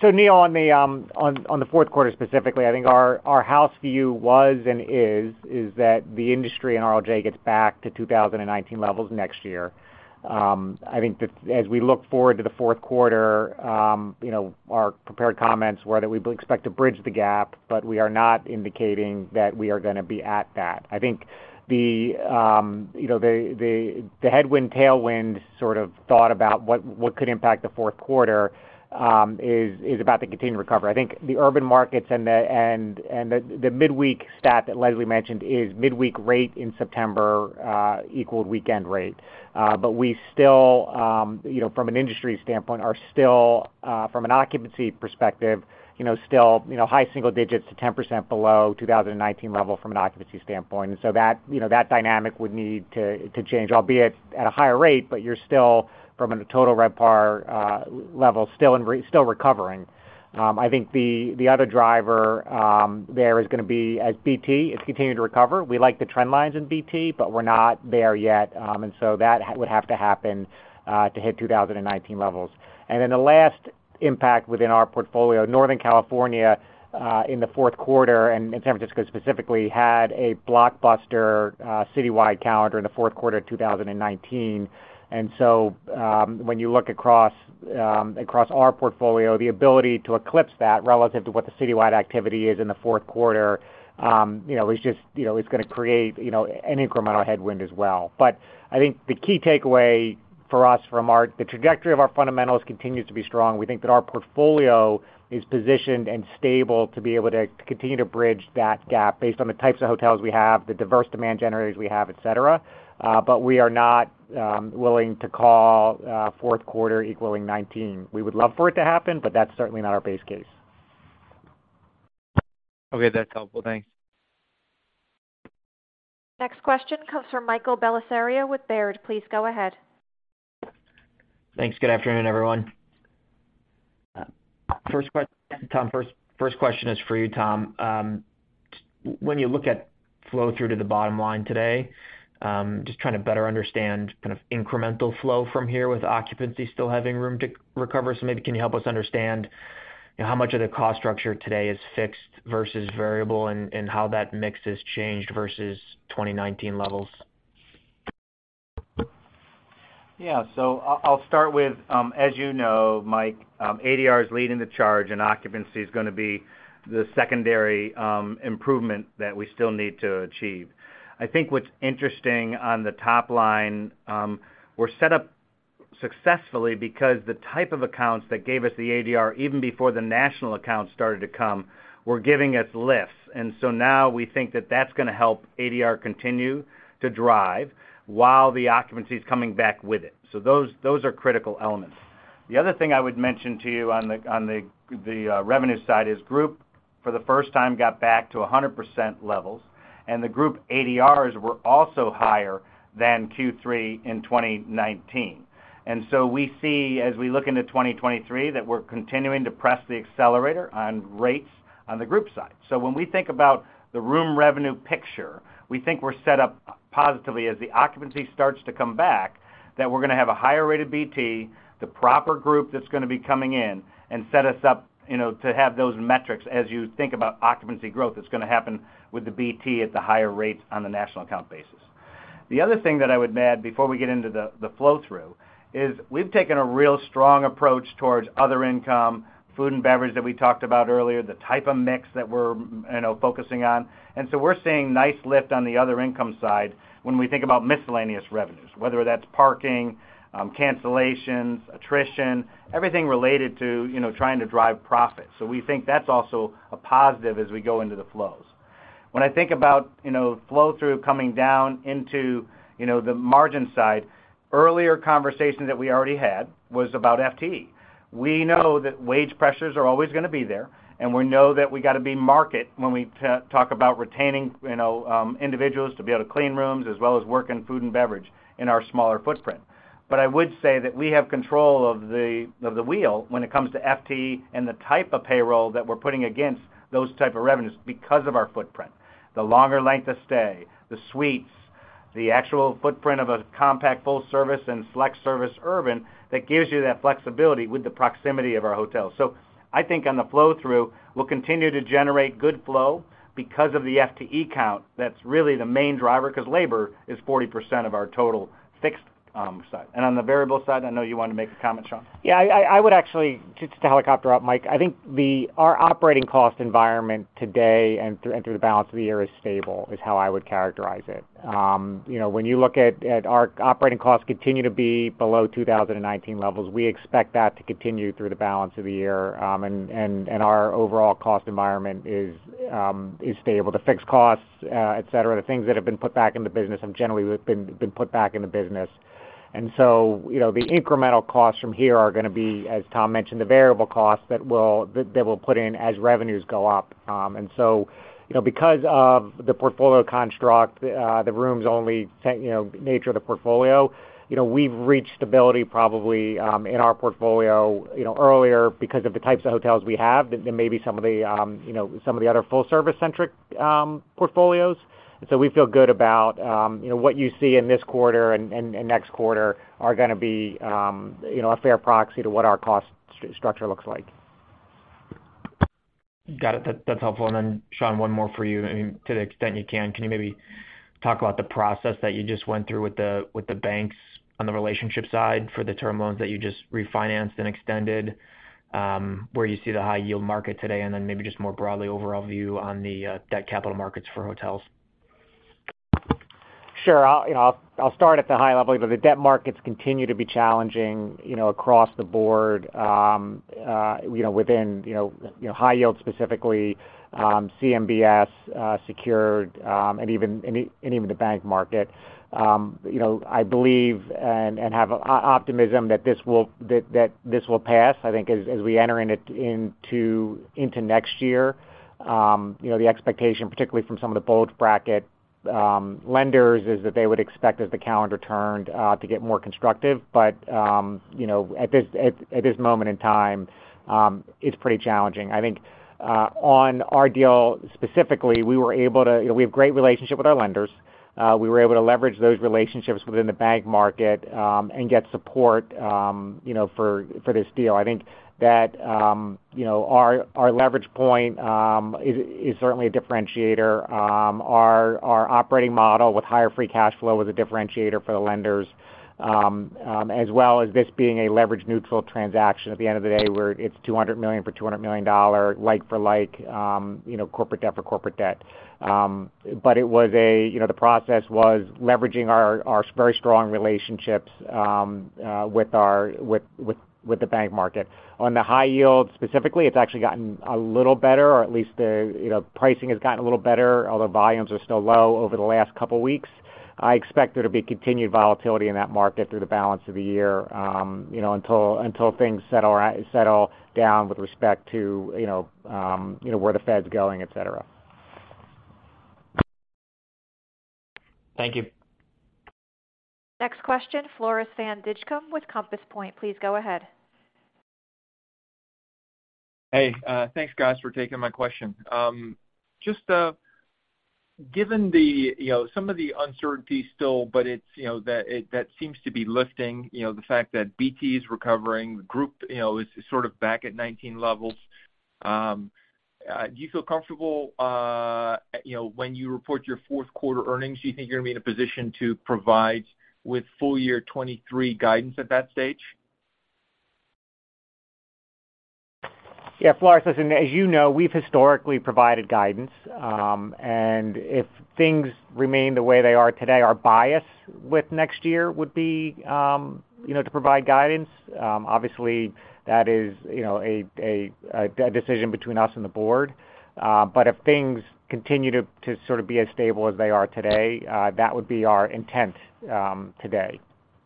Neil, on the fourth quarter specifically, I think our house view was and is that the industry and RLJ gets back to 2019 levels next year. I think as we look forward to the fourth quarter, you know, our prepared comments were that we expect to bridge the gap, but we are not indicating that we are gonna be at that. I think you know, the headwind/tailwind sort of thought about what could impact the fourth quarter is about the continued recovery. I think the urban markets and the midweek stat that Leslie mentioned is midweek rate in September equaled weekend rate. We still, you know, from an industry standpoint, are still from an occupancy perspective, you know, still, you know, high single digits to 10% below 2019 levels from an occupancy standpoint. That dynamic would need to change, albeit at a higher rate, but you're still, from a total RevPAR level, still recovering. I think the other driver there is gonna be as BT is continuing to recover. We like the trend lines in BT, but we're not there yet. That would have to happen to hit 2019 levels. The last impact within our portfolio, Northern California, in the fourth quarter, and San Francisco specifically, had a blockbuster citywide calendar in the fourth quarter of 2019. When you look across our portfolio, the ability to eclipse that relative to what the citywide activity is in the fourth quarter, you know, is just, you know, is gonna create, you know, an incremental headwind as well. But I think the key takeaway for us from the trajectory of our fundamentals continues to be strong. We think that our portfolio is positioned and stable to be able to continue to bridge that gap based on the types of hotels we have, the diverse demand generators we have, et cetera, but we are not willing to call fourth quarter equaling 2019. We would love for it to happen, but that's certainly not our base case. Okay, that's helpful. Thanks. Next question comes from Michael Bellisario with Baird. Please go ahead. Thanks. Good afternoon, everyone. First question is for you, Tom. When you look at flow through to the bottom line today, just trying to better understand kind of incremental flow from here with occupancy still having room to recover. Maybe can you help us understand how much of the cost structure today is fixed versus variable and how that mix has changed versus 2019 levels? Yeah. I'll start with, as you know, Mike, ADR is leading the charge, and occupancy is gonna be the secondary improvement that we still need to achieve. I think what's interesting on the top line, we're set up successfully because the type of accounts that gave us the ADR, even before the national accounts started to come, were giving us lifts. Now we think that that's gonna help ADR continue to drive while the occupancy is coming back with it. Those are critical elements. The other thing I would mention to you on the revenue side is group, for the first time, got back to 100% levels, and the group ADRs were also higher than Q3 in 2019. We see as we look into 2023 that we're continuing to press the accelerator on rates on the group side. When we think about the room revenue picture, we think we're set up positively as the occupancy starts to come back, that we're gonna have a higher rate of BT, the proper group that's gonna be coming in and set us up, you know, to have those metrics as you think about occupancy growth that's gonna happen with the BT at the higher rates on the national account basis. The other thing that I would add before we get into the flow-through is we've taken a real strong approach towards other income, food and beverage that we talked about earlier, the type of mix that we're, you know, focusing on. We're seeing nice lift on the other income side when we think about miscellaneous revenues, whether that's parking, cancellations, attrition, everything related to, you know, trying to drive profit. We think that's also a positive as we go into the flows. When I think about, you know, flow-through coming down into, you know, the margin side, earlier conversation that we already had was about FTE. We know that wage pressures are always gonna be there, and we know that we got to be market when we talk about retaining, you know, individuals to be able to clean rooms as well as work in food and beverage in our smaller footprint. I would say that we have control of the wheel when it comes to FTE and the type of payroll that we're putting against those type of revenues because of our footprint. The longer length of stay, the suites, the actual footprint of a compact full service and select service urban that gives you that flexibility with the proximity of our hotels. I think on the flow-through, we'll continue to generate good flow because of the FTE count. That's really the main driver because labor is 40% of our total fixed side. On the variable side, I know you want to make a comment, Sean. I would actually just to helicopter up, Mike. I think our operating cost environment today and through the balance of the year is stable, is how I would characterize it. You know, when you look at our operating costs continue to be below 2019 levels, we expect that to continue through the balance of the year. Our overall cost environment is stable. The fixed costs, et cetera, the things that have been put back in the business have generally been put back in the business. You know, the incremental costs from here are gonna be, as Tom mentioned, the variable costs that we'll put in as revenues go up. Because of the portfolio construct, you know, the rooms-only nature of the portfolio, you know, we've reached stability probably in our portfolio, you know, earlier because of the types of hotels we have than maybe some of the, you know, some of the other full-service-centric portfolios. We feel good about, you know, what you see in this quarter and next quarter are gonna be, you know, a fair proxy to what our cost structure looks like. Got it. That's helpful. Sean, one more for you. I mean, to the extent you can, you maybe talk about the process that you just went through with the banks on the relationship side for the term loans that you just refinanced and extended, where you see the high yield market today, and then maybe just more broadly overall view on the debt capital markets for hotels? Sure. I'll start at the high level. You know, the debt markets continue to be challenging, you know, across the board, within high yield, specifically, CMBS, secured, and even the bank market. You know, I believe and have optimism that this will pass, I think, as we enter into next year. The expectation, particularly from some of the bulge bracket lenders, is that they would expect, as the calendar turned, To get more constructive. At this moment in time, it's pretty challenging. I think on our deal, specifically, we were able to we have great relationship with our lenders. We were able to leverage those relationships within the bank market and get support, you know, for this deal. I think that you know, our leverage point is certainly a differentiator. Our operating model with higher free cash flow was a differentiator for the lenders as well as this being a leverage-neutral transaction. At the end of the day, it's $200 million for $200 million, dollar for dollar, like for like, corporate debt for corporate debt. It was the process leveraging our very strong relationships with the bank market. On the high yield, specifically, it's actually gotten a little better, or at least the, you know, pricing has gotten a little better, although volumes are still low over the last couple weeks. I expect there to be continued volatility in that market through the balance of the year, you know, until things settle down with respect to, you know, where the Fed's going, et cetera. Thank you. Next question, Floris van Dijkum with Compass Point. Please go ahead. Hey, thanks guys for taking my question. Just, given the, you know, some of the uncertainty still, but it's, you know, that seems to be lifting, you know, the fact that BT is recovering, the group, you know, is sort of back at 19 levels. Do you feel comfortable, you know, when you report your fourth quarter earnings, do you think you're gonna be in a position to provide with full year 2023 guidance at that stage? Yeah, Floris, listen, as you know, we've historically provided guidance. If things remain the way they are today, our bias with next year would be, you know, to provide guidance. Obviously, that is, you know, a decision between us and the board. If things continue to sort of be as stable as they are today, that would be our intent today.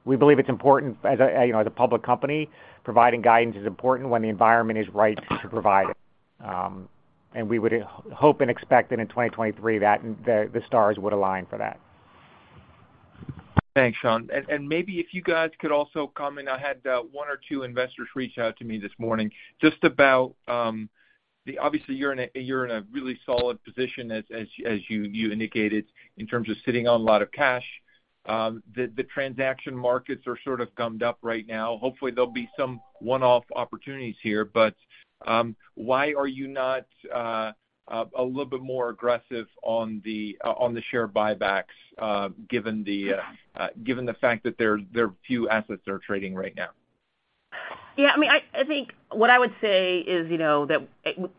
We believe it's important, you know, as a public company, providing guidance is important when the environment is right to provide it. We would hope and expect that in 2023 the stars would align for that. Thanks, Sean. Maybe if you guys could also comment, I had one or two investors reach out to me this morning, just about obviously, you're in a really solid position as you indicated in terms of sitting on a lot of cash. The transaction markets are sort of gummed up right now. Hopefully, there'll be some one-off opportunities here. Why are you not a little bit more aggressive on the share buybacks, given the fact that there are few assets that are trading right now? Yeah, I mean, I think what I would say is, you know, that.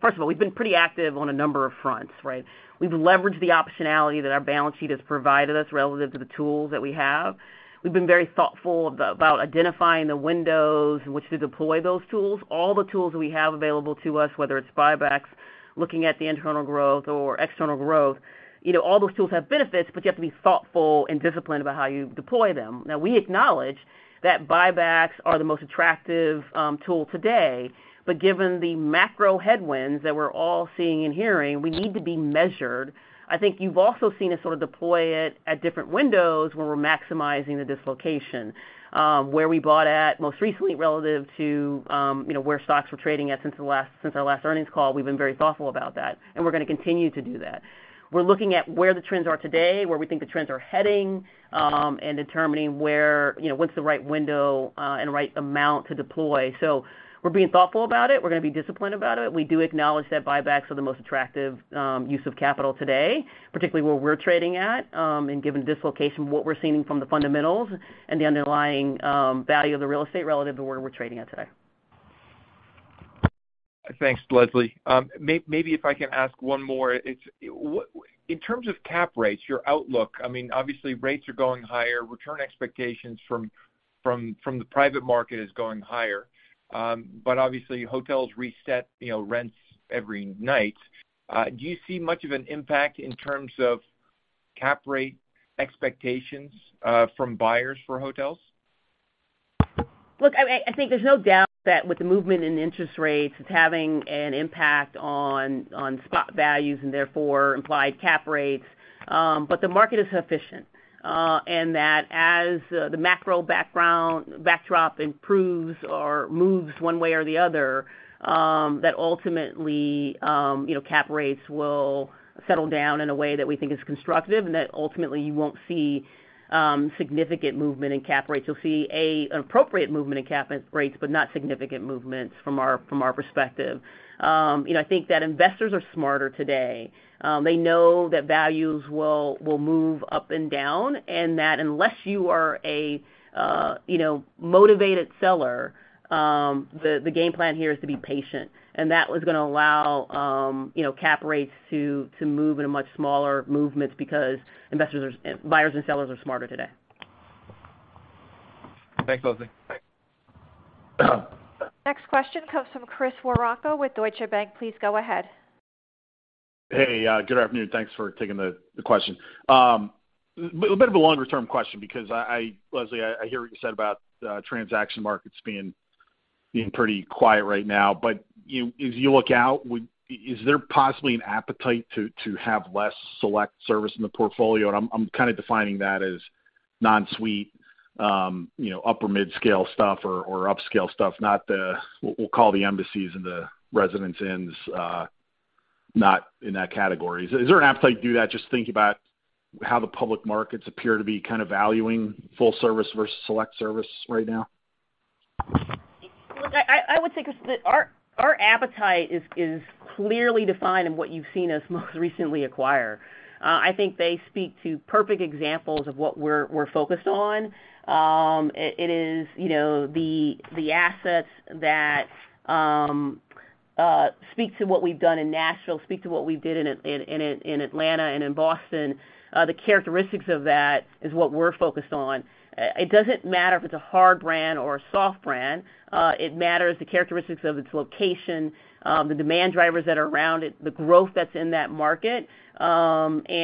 First of all, we've been pretty active on a number of fronts, right? We've leveraged the optionality that our balance sheet has provided us relative to the tools that we have. We've been very thoughtful about identifying the windows in which to deploy those tools. All the tools we have available to us, whether it's buybacks, looking at the internal growth or external growth. You know, all those tools have benefits, but you have to be thoughtful and disciplined about how you deploy them. Now, we acknowledge that buybacks are the most attractive tool today. But given the macro headwinds that we're all seeing and hearing, we need to be measured. I think you've also seen us sort of deploy it at different windows where we're maximizing the dislocation. Where we bought at most recently relative to, you know, where stocks were trading at since our last earnings call, we've been very thoughtful about that, and we're gonna continue to do that. We're looking at where the trends are today, where we think the trends are heading, and determining you know, what's the right window, and right amount to deploy. We're being thoughtful about it. We're gonna be disciplined about it. We do acknowledge that buybacks are the most attractive, use of capital today, particularly where we're trading at, and given dislocation, what we're seeing from the fundamentals and the underlying, value of the real estate relative to where we're trading at today. Thanks, Leslie. Maybe if I can ask one more. What in terms of cap rates, your outlook, I mean, obviously rates are going higher, return expectations from the private market is going higher. Obviously, hotels reset, you know, rents every night. Do you see much of an impact in terms of cap rate expectations from buyers for hotels? Look, I think there's no doubt that with the movement in interest rates, it's having an impact on spot values and therefore implied cap rates, but the market is sufficient. That as the macro backdrop improves or moves one way or the other, that ultimately, you know, cap rates will settle down in a way that we think is constructive, and that ultimately you won't see significant movement in cap rates. You'll see a appropriate movement in cap rates, but not significant movements from our perspective. You know, I think that investors are smarter today. They know that values will move up and down, and that unless you are a you know, motivated seller, the game plan here is to be patient. That is gonna allow, you know, cap rates to move in a much smaller movements because investors are buyers and sellers are smarter today. Thanks, Leslie. Next question comes from Chris Woronka with Deutsche Bank. Please go ahead. Hey, good afternoon. Thanks for taking the question. A bit of a longer-term question because, Leslie, I hear what you said about transaction markets being pretty quiet right now. As you look out, is there possibly an appetite to have less select service in the portfolio? I'm kind of defining that as non-suite, you know, upper mid-scale stuff or upscale stuff, not the we'll call the embassies and the residence inns, not in that category. Is there an appetite to do that, just thinking about how the public markets appear to be kind of valuing full service versus select service right now? Look, I would say, Chris, that our appetite is clearly defined in what you've seen us most recently acquire. I think they speak to perfect examples of what we're focused on. It is, you know, the assets that speak to what we've done in Nashville, speak to what we did in Atlanta and in Boston. The characteristics of that is what we're focused on. It doesn't matter if it's a hard brand or a soft brand; it matters the characteristics of its location, the demand drivers that are around it, the growth that's in that market. You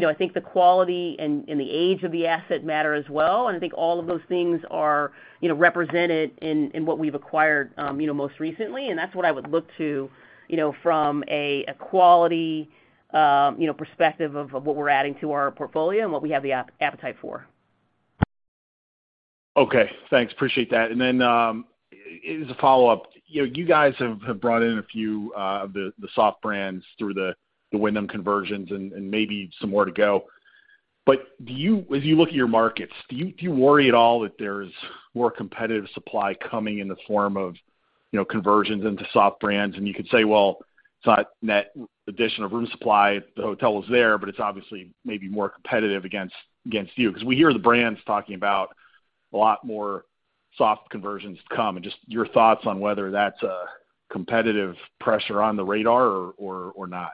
know, I think the quality and the age of the asset matter as well. I think all of those things are, you know, represented in what we've acquired most recently. That's what I would look to, you know, from a quality perspective of what we're adding to our portfolio and what we have the appetite for. Okay. Thanks. Appreciate that. As a follow-up, you know, you guys have brought in a few of the soft brands through the Wyndham conversions, and maybe some more to go. If you look at your markets, do you worry at all that there's more competitive supply coming in the form of, you know, conversions into soft brands? You could say, well, it's not net addition of room supply, the hotel is there, but it's obviously maybe more competitive against you. 'Cause we hear the brands talking about a lot more soft conversions to come, and just your thoughts on whether that's a competitive pressure on the radar or not.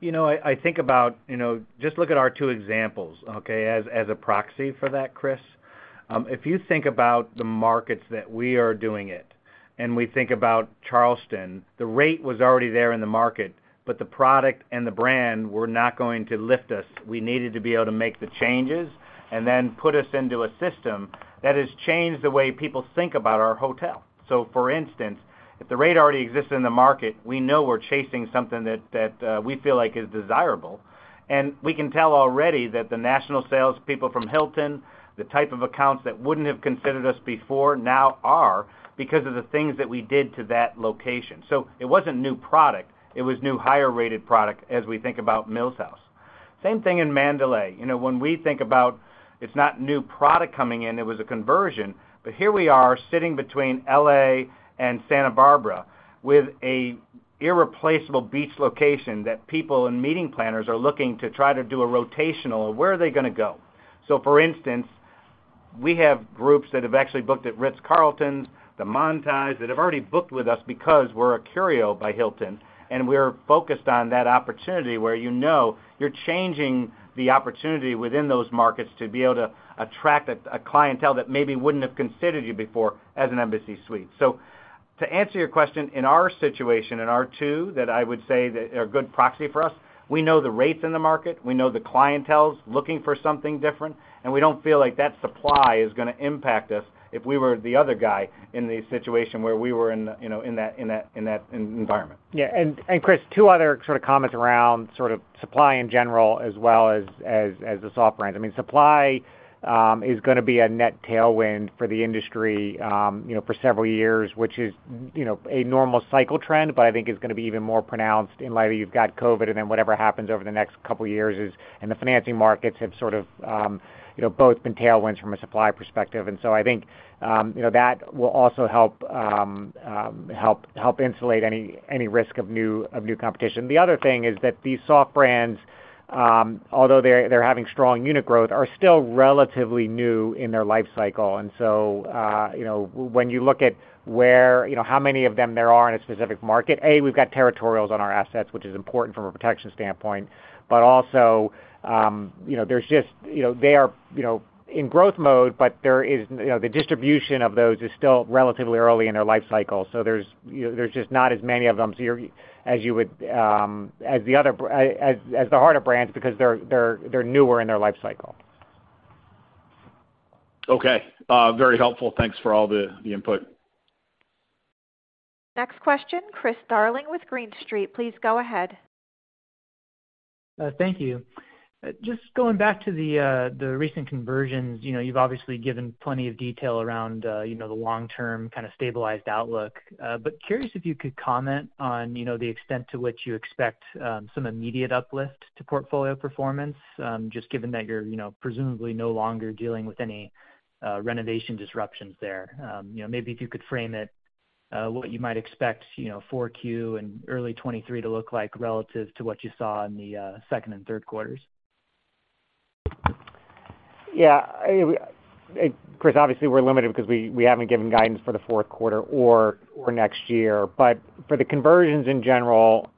You know, I think about, you know, just look at our two examples, okay? As a proxy for that, Chris. If you think about the markets that we are doing it, and we think about Charleston, the rate was already there in the market, but the product and the brand were not going to lift us. We needed to be able to make the changes and then put us into a system that has changed the way people think about our hotel. So, for instance, if the rate already exists in the market, we know we're chasing something that we feel like is desirable. We can tell already that the national salespeople from Hilton, the type of accounts that wouldn't have considered us before now are, because of the things that we did to that location. It wasn't new product, it was new higher-rated product as we think about Mills House. Same thing in Mandalay. You know, when we think about it's not new product coming in, it was a conversion, but here we are sitting between L.A. and Santa Barbara with an irreplaceable beach location that people and meeting planners are looking to try to do a rotation. Where are they gonna go? For instance, we have groups that have actually booked at Ritz-Carltons, the Montage that have already booked with us because we're a Curio by Hilton, and we're focused on that opportunity where you know you're changing the opportunity within those markets to be able to attract a clientele that maybe wouldn't have considered you before as an Embassy Suites. To answer your question, in our situation, in our two, that I would say that are a good proxy for us, we know the rates in the market, we know the clientele's looking for something different, and we don't feel like that supply is gonna impact us if we were the other guy in the situation where we were in, you know, in that environment. Yeah, Chris, two other sort of comments around sort of supply in general as well as the soft brands. I mean, supply is gonna be a net tailwind for the industry, you know, for several years, which is, you know, a normal cycle trend, but I think it's gonna be even more pronounced in light of you've got COVID and then whatever happens over the next couple years, and the financing markets have sort of, you know, both been tailwinds from a supply perspective. I think, you know, that will also help insulate any risk of new competition. The other thing is that these soft brands, although they're having strong unit growth, are still relatively new in their life cycle. When you look at where, you know, how many of them there are in a specific market, A, we've got territorials on our assets, which is important from a protection standpoint, but also, you know, there's just, you know, they are, you know, in growth mode, but there is, you know, the distribution of those is still relatively early in their life cycle. There's, you know, there's just not as many of them as you would as the other hard brands because they're newer in their life cycle. Okay. Very helpful. Thanks for all the input. Next question, Chris Darling with Green Street. Please go ahead. Thank you. Just going back to the recent conversions. You know, you've obviously given plenty of detail around you know, the long-term kind of stabilized outlook. Curious if you could comment on you know, the extent to which you expect some immediate uplift to portfolio performance, just given that you're you know, presumably no longer dealing with any renovation disruptions there. You know, maybe if you could frame it, what you might expect you know, for Q4 and early 2023 to look like relative to what you saw in the second and third-quarters. Chris, obviously, we're limited because we haven't given guidance for the fourth quarter or next year. For the conversions in general,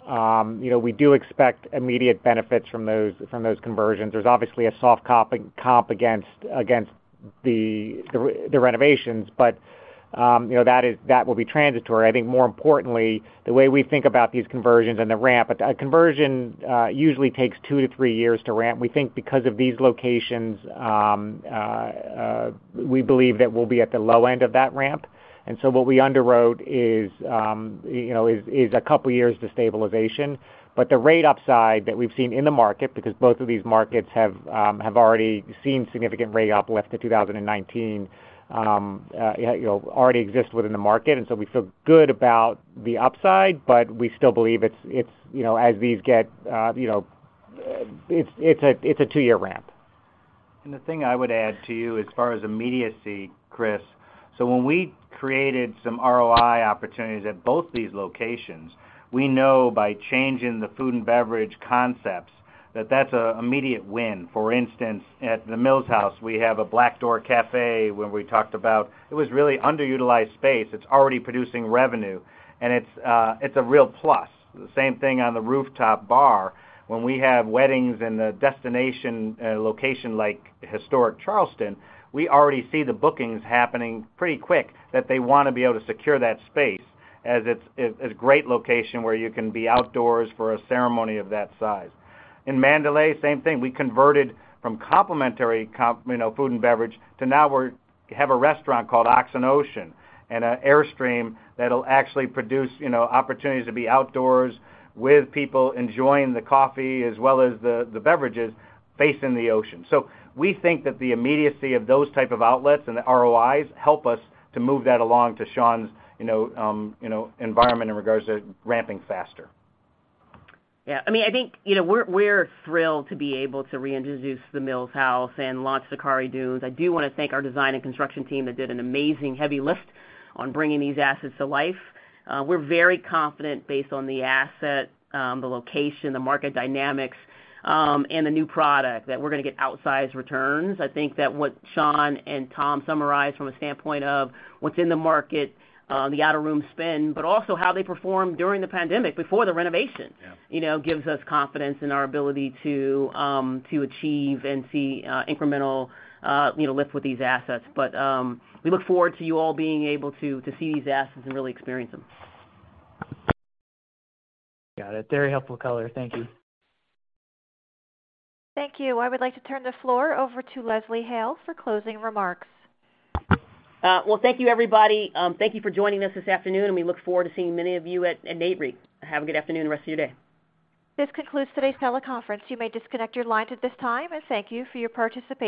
you know, we do expect immediate benefits from those conversions. There's obviously a soft comp against the renovations, but that will be transitory. I think more importantly, the way we think about these conversions and the ramp. A conversion usually takes 2-3 years to ramp. We think because of these locations, we believe that we'll be at the low end of that ramp. What we underwrote is a couple of years to stabilization. The rate upside that we've seen in the market, because both of these markets have already seen significant rate uplift to 2019, you know, already exist within the market. We feel good about the upside, but we still believe it's you know, as these get you know. It's a two-year ramp. The thing I would add to you as far as immediacy, Chris, when we created some ROI opportunities at both these locations, we know by changing the food and beverage concepts that that's an immediate win. For instance, at the Mills House, we have a Black Door Café where we talked about it was really underutilized space. It's already producing revenue, and it's a real plus. The same thing on the rooftop bar. When we have weddings in a destination location like historic Charleston, we already see the bookings happening pretty quick, that they wanna be able to secure that space as it's a great location where you can be outdoors for a ceremony of that size. In Mandalay, same thing, we converted from complimentary comp, you know, food and beverage to now we have a restaurant called Ox & Ocean and an Airstream that'll actually produce, you know, opportunities to be outdoors with people enjoying the coffee as well as the beverages facing the ocean. We think that the immediacy of those type of outlets and the ROIs help us to move that along to Sean's, you know, environment in regards to ramping faster. Yeah. I mean, I think, you know, we're thrilled to be able to reintroduce the Mills House and launch Zachari Dunes. I do wanna thank our design and construction team that did an amazing heavy lift on bringing these assets to life. We're very confident based on the asset, the location, the market dynamics, and the new product that we're gonna get outsized returns. I think that what Sean and Tom summarized from a standpoint of what's in the market, the out-of-room spend, but also how they performed during the pandemic before the renovation. Yeah. You know, gives us confidence in our ability to achieve and see incremental you know lift with these assets. We look forward to you all being able to see these assets and really experience them. Got it. Very helpful color. Thank you. Thank you. I would like to turn the floor over to Leslie Hale for closing remarks. Well, thank you, everybody. Thank you for joining us this afternoon, and we look forward to seeing many of you at NAREIT. Have a good afternoon the rest of your day. This concludes today's teleconference. You may disconnect your lines at this time, and thank you for your participation.